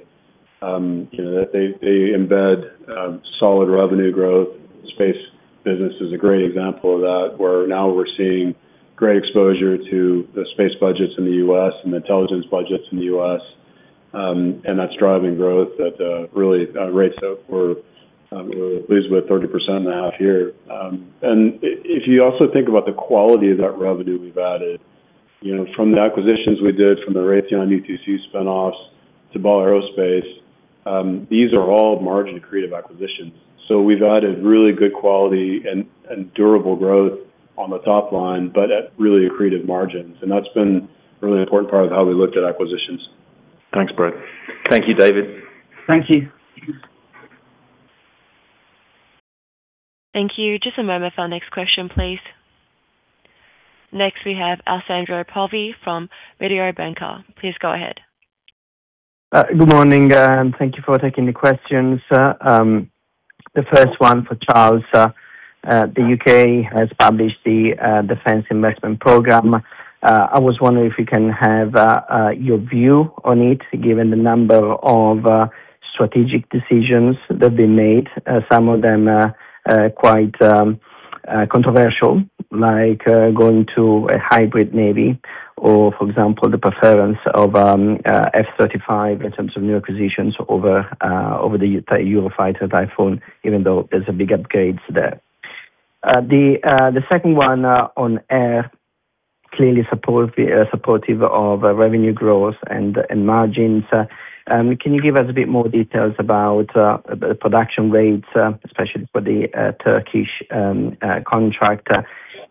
S5: They embed solid revenue growth. Space business is a great example of that, where now we're seeing great exposure to the space budgets in the U.S. and intelligence budgets in the U.S., and that's driving growth at a really great rate. We're pleased with 30% now here. If you also think about the quality of that revenue we've added, from the acquisitions we did, from the Raytheon UTC spinoffs to Ball Aerospace, these are all margin-accretive acquisitions. We've added really good quality and durable growth on the top line, but at really accretive margins, and that's been a really important part of how we looked at acquisitions.
S3: Thanks, Brad. Thank you, David.
S8: Thank you.
S1: Thank you. Just a moment for our next question, please. Next, we have Alessandro Pozzi from Mediobanca. Please go ahead.
S9: Good morning, thank you for taking the questions. The first one for Charles. The U.K. has published the Defence Investment Program. I was wondering if you can have your view on it, given the number of strategic decisions that have been made, some of them quite controversial, like going to a hybrid navy, or, for example, the preference of F-35 in terms of new acquisitions over the Eurofighter Typhoon, even though there's a big upgrades there. The second one on air, clearly supportive of revenue growth and margins. Can you give us a bit more details about the production rates, especially for the Türkiye contract?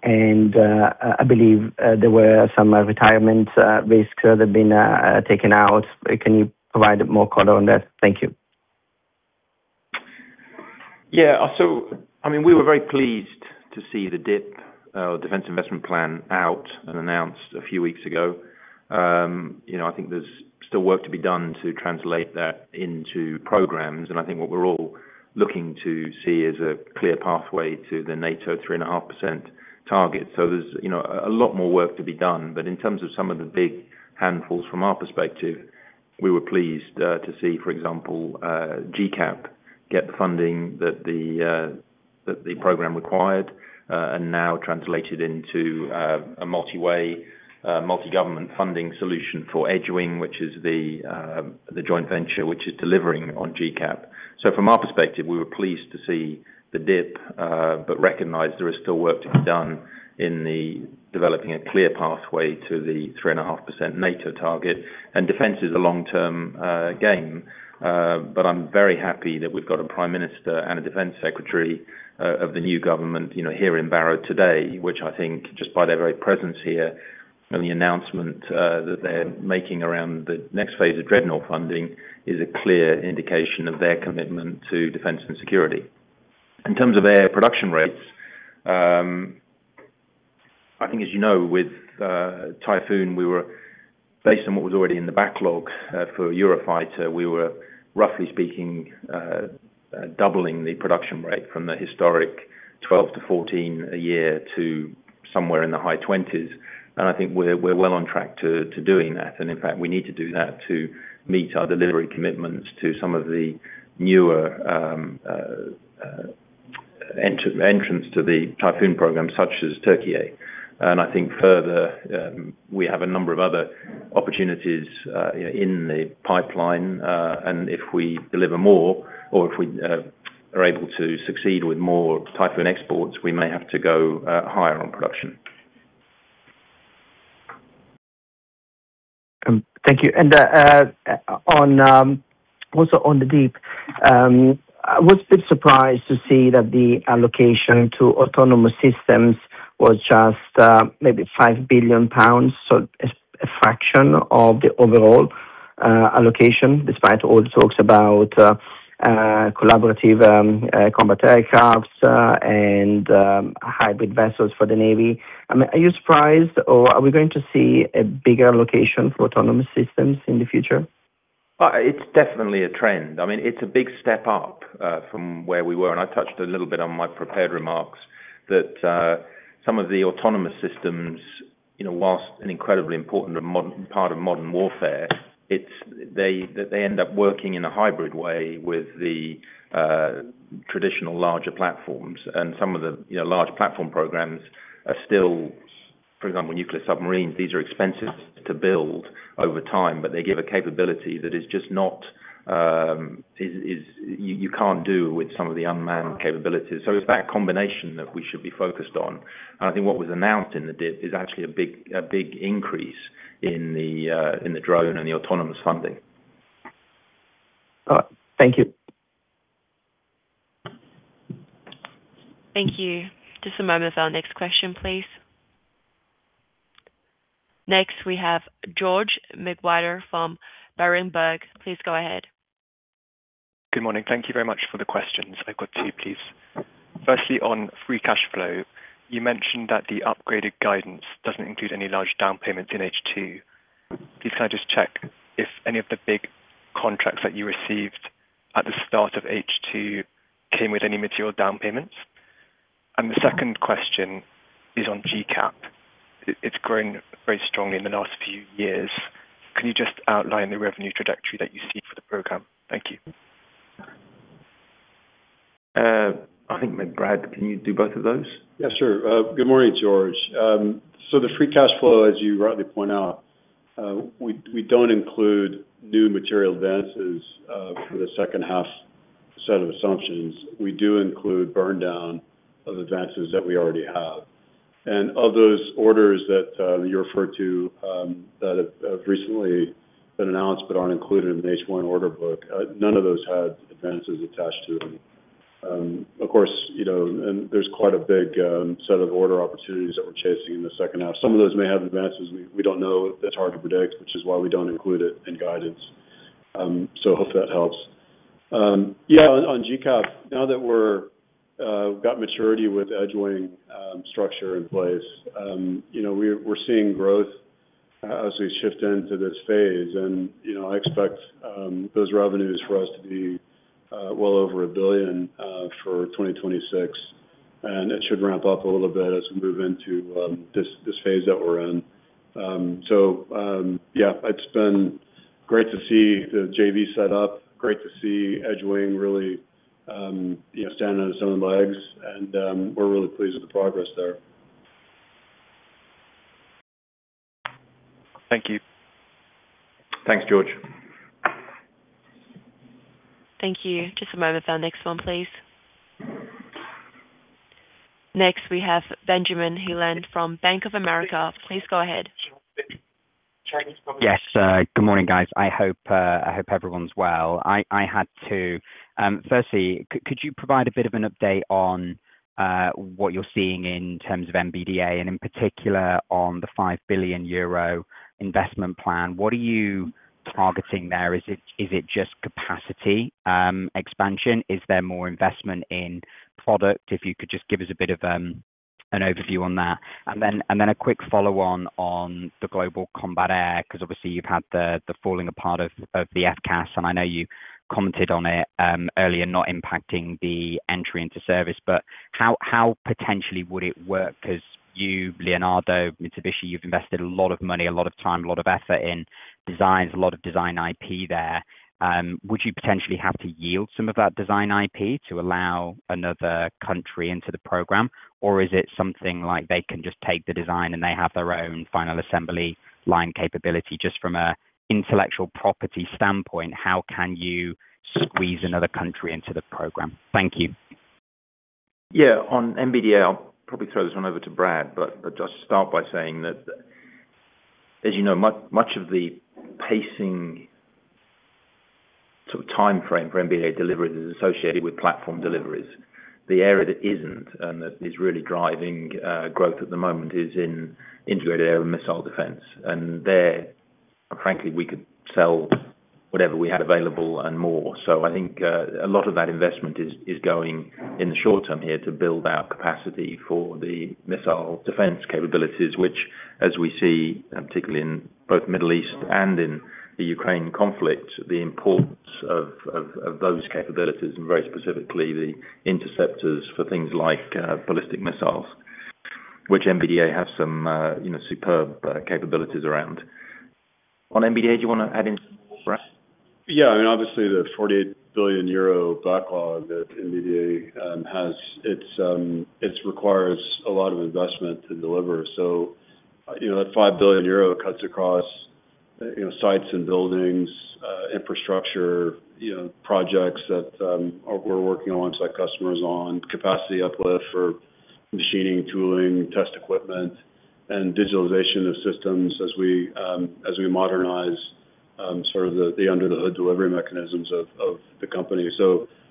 S9: I believe there were some retirement risks that have been taken out. Can you provide more color on that? Thank you.
S3: We were very pleased to see the DIP, Defence Investment Plan, out and announced a few weeks ago. I think there's still work to be done to translate that into programs, I think what we're all looking to see is a clear pathway to the NATO 3.5% target. There's a lot more work to be done. In terms of some of the big handfuls from our perspective, we were pleased to see, for example, GCAP get the funding that the program required, now translated into a multi-way, multi-government funding solution for Edgewing, which is the joint venture which is delivering on GCAP. From our perspective, we were pleased to see the DIP, but recognized there is still work to be done in the developing a clear pathway to the 3.5% NATO target. Defence is a long-term game, but I'm very happy that we've got a prime minister and a defence secretary of the new government here in Barrow today, which I think just by their very presence here and the announcement that they're making around the next phase of Dreadnought funding, is a clear indication of their commitment to defence and security. In terms of air production rates, I think, as you know, with Typhoon, based on what was already in the backlog for Eurofighter, we were roughly speaking doubling the production rate from the historic 12-14 a year to somewhere in the high 20s. I think we're well on track to doing that. In fact, we need to do that to meet our delivery commitments to some of the newer entrants to the Typhoon program, such as Türkiye. I think further, we have a number of other opportunities in the pipeline. If we deliver more or if we are able to succeed with more Typhoon exports, we may have to go higher on production.
S9: Thank you. Also on the DIP, I was a bit surprised to see that the allocation to autonomous systems was just maybe 5 billion pounds, so a fraction of the overall allocation, despite all the talks about Collaborative Combat Aircraft and hybrid vessels for the Navy. Are you surprised, or are we going to see a bigger allocation for autonomous systems in the future?
S3: It's definitely a trend. It's a big step up from where we were, I touched a little bit on my prepared remarks that some of the autonomous systems, whilst an incredibly important part of modern warfare, they end up working in a hybrid way with the traditional larger platforms. Some of the large platform programs are still, for example, nuclear submarines. These are expensive to build over time, but they give a capability that you can't do with some of the unmanned capabilities. It's that combination that we should be focused on. I think what was announced in the DIP is actually a big increase in the drone and the autonomous funding.
S9: Thank you.
S1: Thank you. Just a moment for our next question, please. We have George McWhirter from Berenberg. Please go ahead.
S10: Good morning. Thank you very much for the questions. I've got two, please. Firstly, on free cash flow, you mentioned that the upgraded guidance doesn't include any large down payments in H2. Please can I just check if any of the big contracts that you received at the start of H2 came with any material down payments? The second question is on GCAP. It's growing very strongly in the last few years. Can you just outline the revenue trajectory that you see for the program? Thank you.
S3: I think, Brad, can you do both of those?
S5: Yes, sir. Good morning, George. The free cash flow, as you rightly point out, we don't include new material advances for the second half set of assumptions. We do include burn down of advances that we already have. Of those orders that you referred to that have recently been announced but aren't included in the H1 order book, none of those had advances attached to them. Of course, there's quite a big set of order opportunities that we're chasing in the second half. Some of those may have advances. We don't know. That's hard to predict, which is why we don't include it in guidance. Hope that helps. On GCAP, now that we've got maturity with Edgewing structure in place, we're seeing growth as we shift into this phase. I expect those revenues for us to be well over 1 billion for 2026. It should ramp up a little bit as we move into this phase that we're in. It's been great to see the JV set up, great to see Edgewing really stand on its own legs, and we're really pleased with the progress there.
S10: Thank you.
S3: Thanks, George.
S1: Thank you. Just a moment for our next one, please. We have Benjamin Heelan from Bank of America. Please go ahead.
S11: Yes. Good morning, guys. I hope everyone's well. Firstly, could you provide a bit of an update on what you're seeing in terms of MBDA, and in particular on the 5 billion euro investment plan? What are you targeting there? Is it just capacity expansion? Is there more investment in product? If you could just give us a bit of an overview on that. A quick follow-on on the Global Combat Air, because obviously you've had the falling apart of the FCAS, and I know you commented on it earlier, not impacting the entry into service. How potentially would it work? Because you, Leonardo, Mitsubishi, you've invested a lot of money, a lot of time, a lot of effort in designs, a lot of design IP there. Would you potentially have to yield some of that design IP to allow another country into the program? Is it something like they can just take the design, and they have their own final assembly line capability? Just from an intellectual property standpoint, how can you squeeze another country into the program? Thank you.
S3: Yeah. On MBDA, I'll probably throw this one over to Brad, but just start by saying that as you know, much of the pacing timeframe for MBDA deliveries is associated with platform deliveries. The area that isn't, and that is really driving growth at the moment is in integrated air and missile defense. There, frankly, we could sell whatever we had available and more. I think a lot of that investment is going in the short term here to build our capacity for the missile defense capabilities. Which, as we see, particularly in both Middle East and in the Ukraine conflict, the importance of those capabilities, and very specifically the interceptors for things like ballistic missiles, which MBDA have some superb capabilities around. On MBDA, do you want to add in some more, Brad?
S5: Yeah. Obviously, the 48 billion euro backlog that MBDA has, it requires a lot of investment to deliver. That 5 billion euro cuts across sites and buildings, infrastructure, projects that we're working alongside customers on, capacity uplift for machining, tooling, test equipment, and digitalization of systems as we modernize the under-the-hood delivery mechanisms of the company.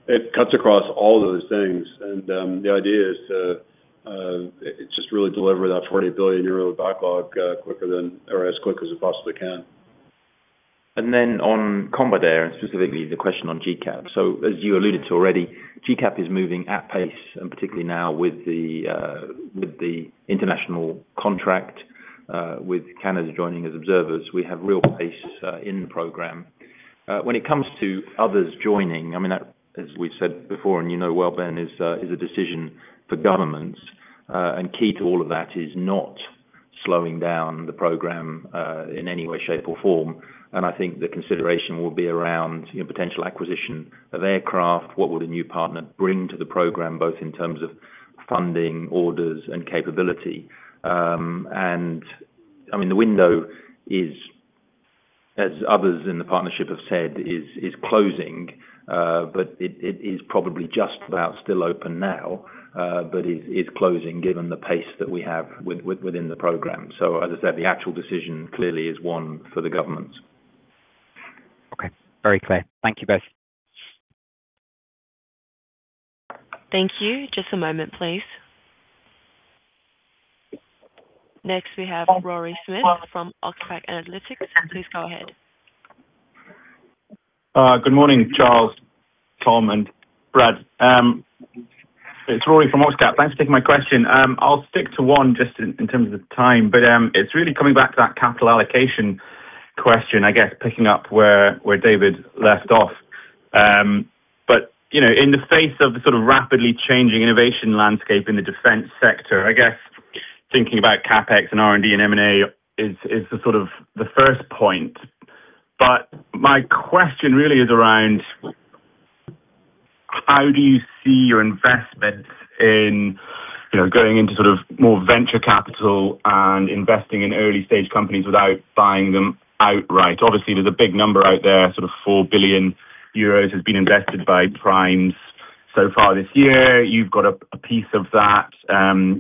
S5: It cuts across all of those things, and the idea is to just really deliver that 40 billion euro backlog quicker than, or as quick as it possibly can.
S3: On combat air, and specifically the question on GCAP. As you alluded to already, GCAP is moving at pace, and particularly now with the international contract, with Canada joining as observers. We have real pace in the program. When it comes to others joining, as we've said before, and you know well, Ben, is a decision for governments. Key to all of that is not slowing down the program in any way, shape, or form. I think the consideration will be around potential acquisition of aircraft. What will a new partner bring to the program, both in terms of funding, orders, and capability? The window is, as others in the partnership have said, is closing. It is probably just about still open now, but is closing given the pace that we have within the program. As I said, the actual decision clearly is one for the governments.
S11: Okay. Very clear. Thank you both.
S1: Thank you. Just a moment, please. Next, we have Rory Smith from Oxcap Analytics. Please go ahead.
S12: Good morning, Charles, Tom, and Brad. It's Rory from Oxcap. Thanks for taking my question. I'll stick to one just in terms of time, but it's really coming back to that capital allocation question, I guess, picking up where David left off. In the face of the rapidly changing innovation landscape in the defense sector, I guess thinking about CapEx and R&D and M&A is the first point. My question really is around how do you see your investments in going into more venture capital and investing in early-stage companies without buying them outright? Obviously, there's a big number out there, 4 billion euros has been invested by primes so far this year. You've got a piece of that.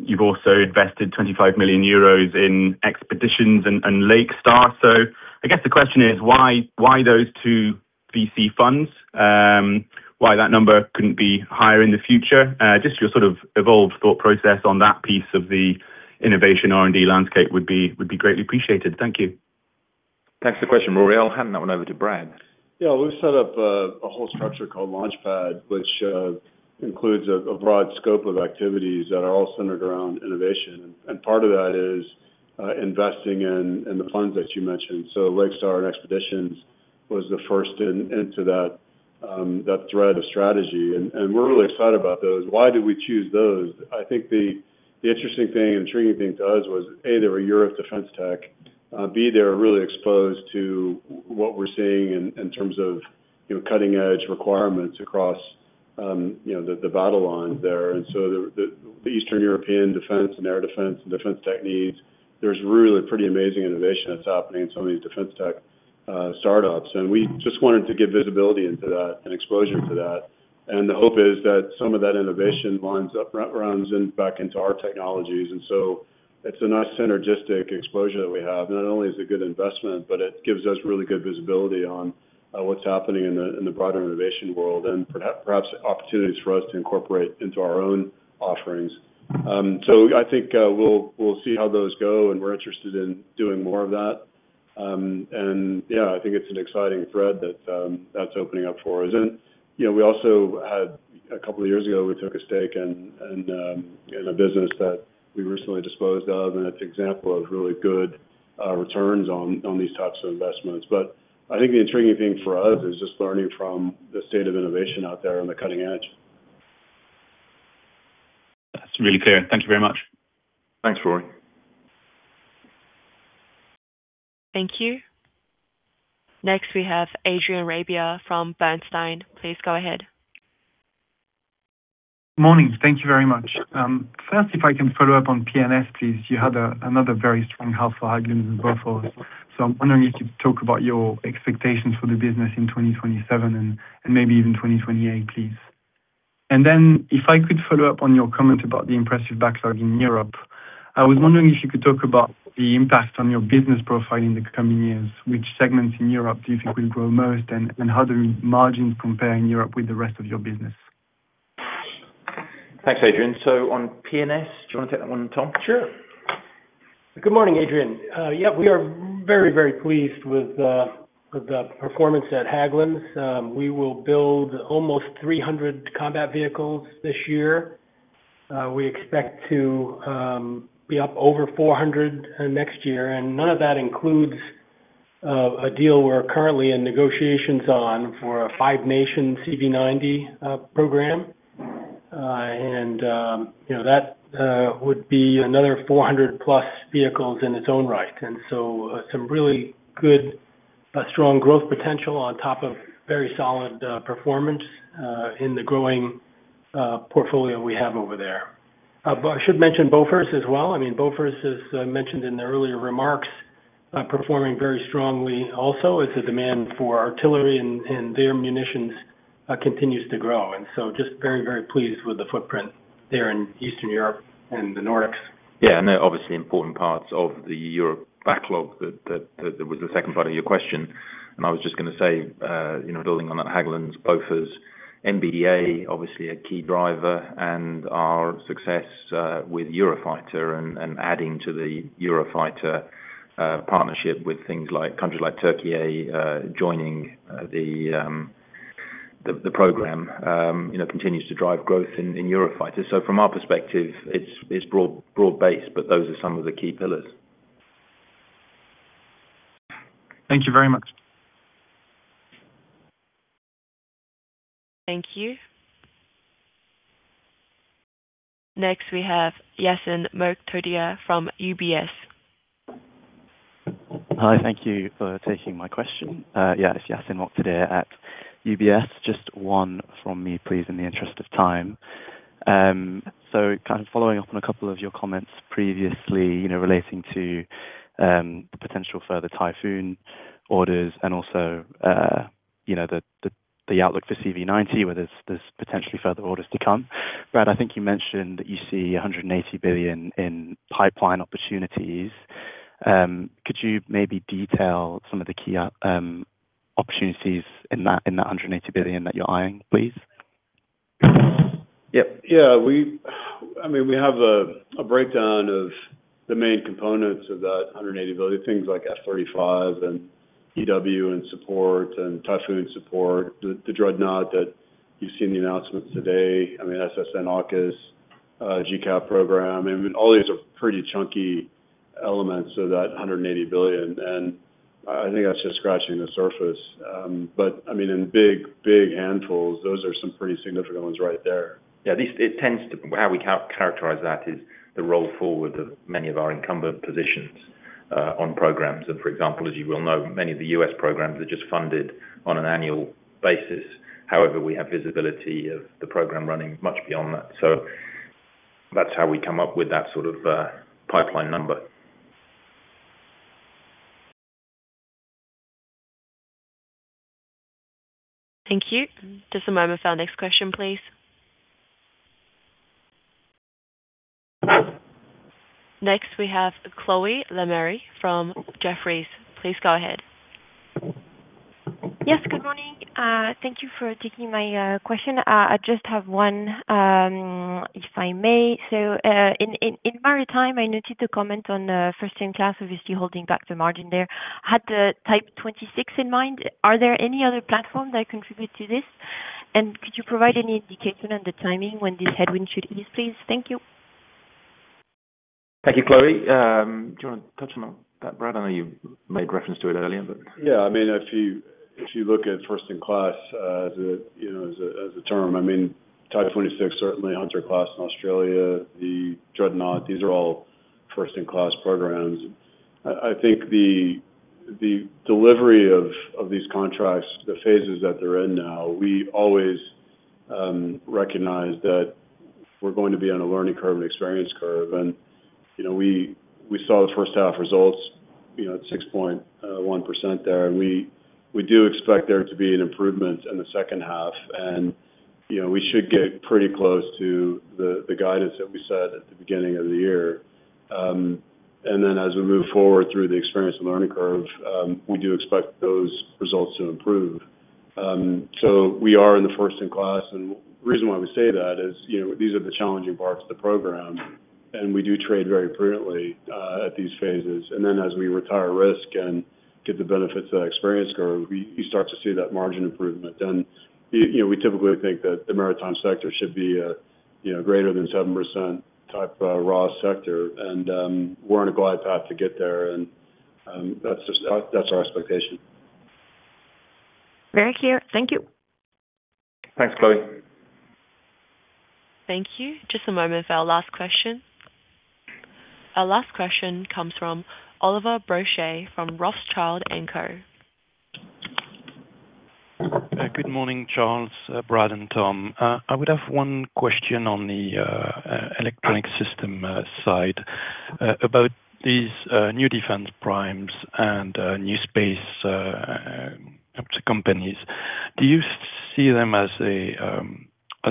S12: You've also invested 25 million euros in Expeditions and Lakestar. I guess the question is why those two VC funds? Why that number couldn't be higher in the future? Just your evolved thought process on that piece of the innovation R&D landscape would be greatly appreciated. Thank you.
S3: Thanks for the question, Rory. I'll hand that one over to Brad.
S5: We've set up a whole structure called Launchpad, which includes a broad scope of activities that are all centered around innovation, and part of that is investing in the funds that you mentioned. Lakestar and Expeditions was the first into that thread of strategy, and we're really excited about those. Why did we choose those? I think the interesting thing and intriguing thing to us was, A, they were Europe defense tech, B, they were really exposed to what we're seeing in terms of cutting-edge requirements across the battle lines there. The Eastern European defense and air defense and defense tech needs, there's really pretty amazing innovation that's happening in some of these defense tech startups, and we just wanted to give visibility into that and exposure to that. The hope is that some of that innovation runs back into our technologies. It's a nice synergistic exposure that we have. Not only is it good investment, but it gives us really good visibility on what's happening in the broader innovation world and perhaps opportunities for us to incorporate into our own offerings. I think we'll see how those go, and we're interested in doing more of that. Yeah, I think it's an exciting thread that's opening up for us. A couple of years ago, we took a stake in a business that we recently disposed of, and it's an example of really good returns on these types of investments. I think the intriguing thing for us is just learning from the state of innovation out there on the cutting edge.
S12: That's really clear. Thank you very much.
S5: Thanks, Rory.
S1: Thank you. Next, we have Adrien Rabier from Bernstein. Please go ahead.
S13: Morning. Thank you very much. First, if I can follow up on P&S, please. You had another very strong half for Hägglunds and Bofors. I'm wondering if you could talk about your expectations for the business in 2027 and maybe even 2028, please. If I could follow up on your comment about the impressive backlog in Europe, I was wondering if you could talk about the impact on your business profile in the coming years, which segments in Europe do you think will grow most, and how do margins compare in Europe with the rest of your business?
S3: Thanks, Adrien. On P&S, do you want to take that one, Tom?
S4: Sure. Good morning, Adrien. We are very pleased with the performance at Hägglunds. We will build almost 300 combat vehicles this year. We expect to be up over 400 next year, and none of that includes a deal we're currently in negotiations on for a five-nation CV90 program. That would be another 400+ vehicles in its own right. Some really good, strong growth potential on top of very solid performance in the growing portfolio we have over there. I should mention Bofors as well. Bofors, as mentioned in the earlier remarks, performing very strongly also as the demand for artillery and their munitions continues to grow. Just very pleased with the footprint there in Eastern Europe and the Nordics.
S3: I know obviously important parts of the Europe backlog, that was the second part of your question, and I was just going to say, building on that Hägglunds, Bofors, MBDA, obviously a key driver, and our success with Eurofighter and adding to the Eurofighter partnership with countries like Türkiye joining the program continues to drive growth in Eurofighter. From our perspective, it's broad-based, but those are some of the key pillars.
S13: Thank you very much.
S1: Thank you. Next, we have Yassin Moktadir from UBS.
S14: Hi. Thank you for taking my question. It's Yassin Moktadir at UBS. Just one from me, please, in the interest of time. Following up on a couple of your comments previously, relating to the potential further Typhoon orders and also the outlook for CV90, where there's potentially further orders to come. Brad, I think you mentioned that you see 180 billion in pipeline opportunities. Could you maybe detail some of the key opportunities in that 180 billion that you're eyeing, please?
S5: We have a breakdown of the main components of that 180 billion. Things like F-35 and EW and support and Typhoon support, the Dreadnought that you've seen the announcements today, SSN-AUKUS, GCAP program. All these are pretty chunky elements of that 180 billion, I think that's just scratching the surface. In big handfuls, those are some pretty significant ones right there.
S3: How we characterize that is the roll forward of many of our incumbent positions on programs. For example, as you well know, many of the U.S. programs are just funded on an annual basis. However, we have visibility of the program running much beyond that. That's how we come up with that sort of pipeline number.
S1: Thank you. Just a moment for our next question, please. Next, we have Chloé Lemarié from Jefferies. Please go ahead.
S15: Yes, good morning. Thank you for taking my question. I just have one, if I may. In maritime, I noted the comment on first-in-class, obviously holding back the margin there. Had the Type 26 in mind. Are there any other platforms that contribute to this? Could you provide any indication on the timing when this headwind should ease, please? Thank you.
S3: Thank you. Chloé. Do you want to touch on that, Brad? I know you made reference to it earlier.
S5: If you look at first-in-class as a term, Type 26, certainly Hunter class in Australia, the Dreadnought, these are all first-in-class programs. I think the delivery of these contracts, the phases that they're in now, we always recognize that we're going to be on a learning curve and experience curve. We saw the first half results at 6.1% there, and we do expect there to be an improvement in the second half. We should get pretty close to the guidance that we said at the beginning of the year. As we move forward through the experience and learning curve, we do expect those results to improve. So we are in the first-in-class, and the reason why we say that is these are the challenging parts of the program. We do trade very prudently at these phases. As we retire risk and get the benefits of that experience curve, you start to see that margin improvement. We typically think that the maritime sector should be greater than 7% type ROS sector, and we're on a glide path to get there, and that's our expectation.
S15: Very clear. Thank you.
S5: Thanks, Chloé.
S1: Thank you. Just a moment for our last question. Our last question comes from Olivier Brochet from Rothschild & Co.
S16: Good morning, Charles, Brad, and Tom. I would have one question on the Electronic Systems side about these new defense primes and new space companies. Do you see them as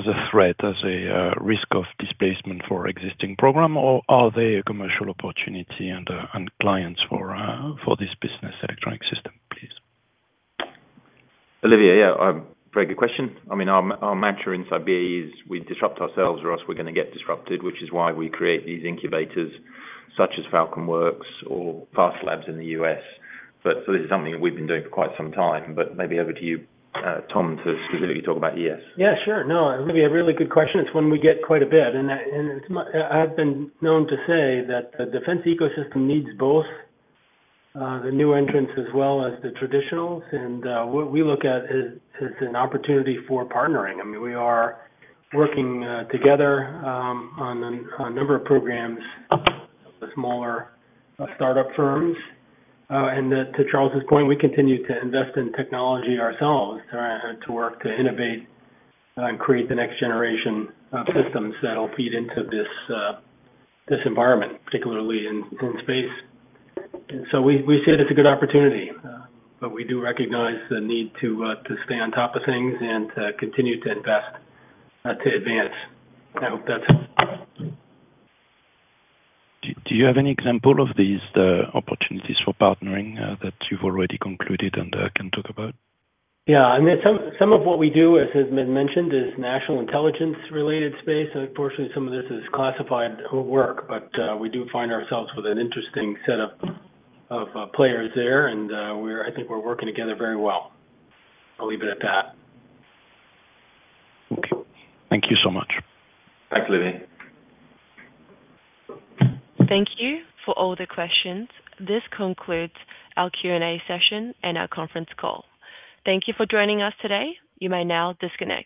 S16: a threat, as a risk of displacement for existing program, or are they a commercial opportunity and clients for this business Electronic Systems, please?
S5: Olivier, yeah. Very good question. Our mantra inside BAE is we disrupt ourselves, or else we're going to get disrupted, which is why we create these incubators such as FalconWorks or FAST Labs in the U.S. This is something that we've been doing for quite some time, maybe over to you, Tom, to specifically talk about ES.
S4: Yeah, sure. No, Olivier, a really good question. It's one we get quite a bit. I've been known to say that the defense ecosystem needs both the new entrants as well as the traditionals. What we look at is an opportunity for partnering. We are working together on a number of programs with smaller startup firms. To Charles' point, we continue to invest in technology ourselves to work, to innovate, and create the next generation of systems that'll feed into this environment, particularly in space. We see it as a good opportunity. We do recognize the need to stay on top of things and to continue to invest to advance.
S16: Do you have any example of these opportunities for partnering that you've already concluded and can talk about?
S4: Yeah. Some of what we do, as has been mentioned, is national intelligence related space, and unfortunately, some of this is classified work. We do find ourselves with an interesting set of players there, and I think we're working together very well. I'll leave it at that.
S16: Okay. Thank you so much.
S5: Thanks, Olivier.
S1: Thank you for all the questions. This concludes our Q&A session and our conference call. Thank you for joining us today. You may now disconnect.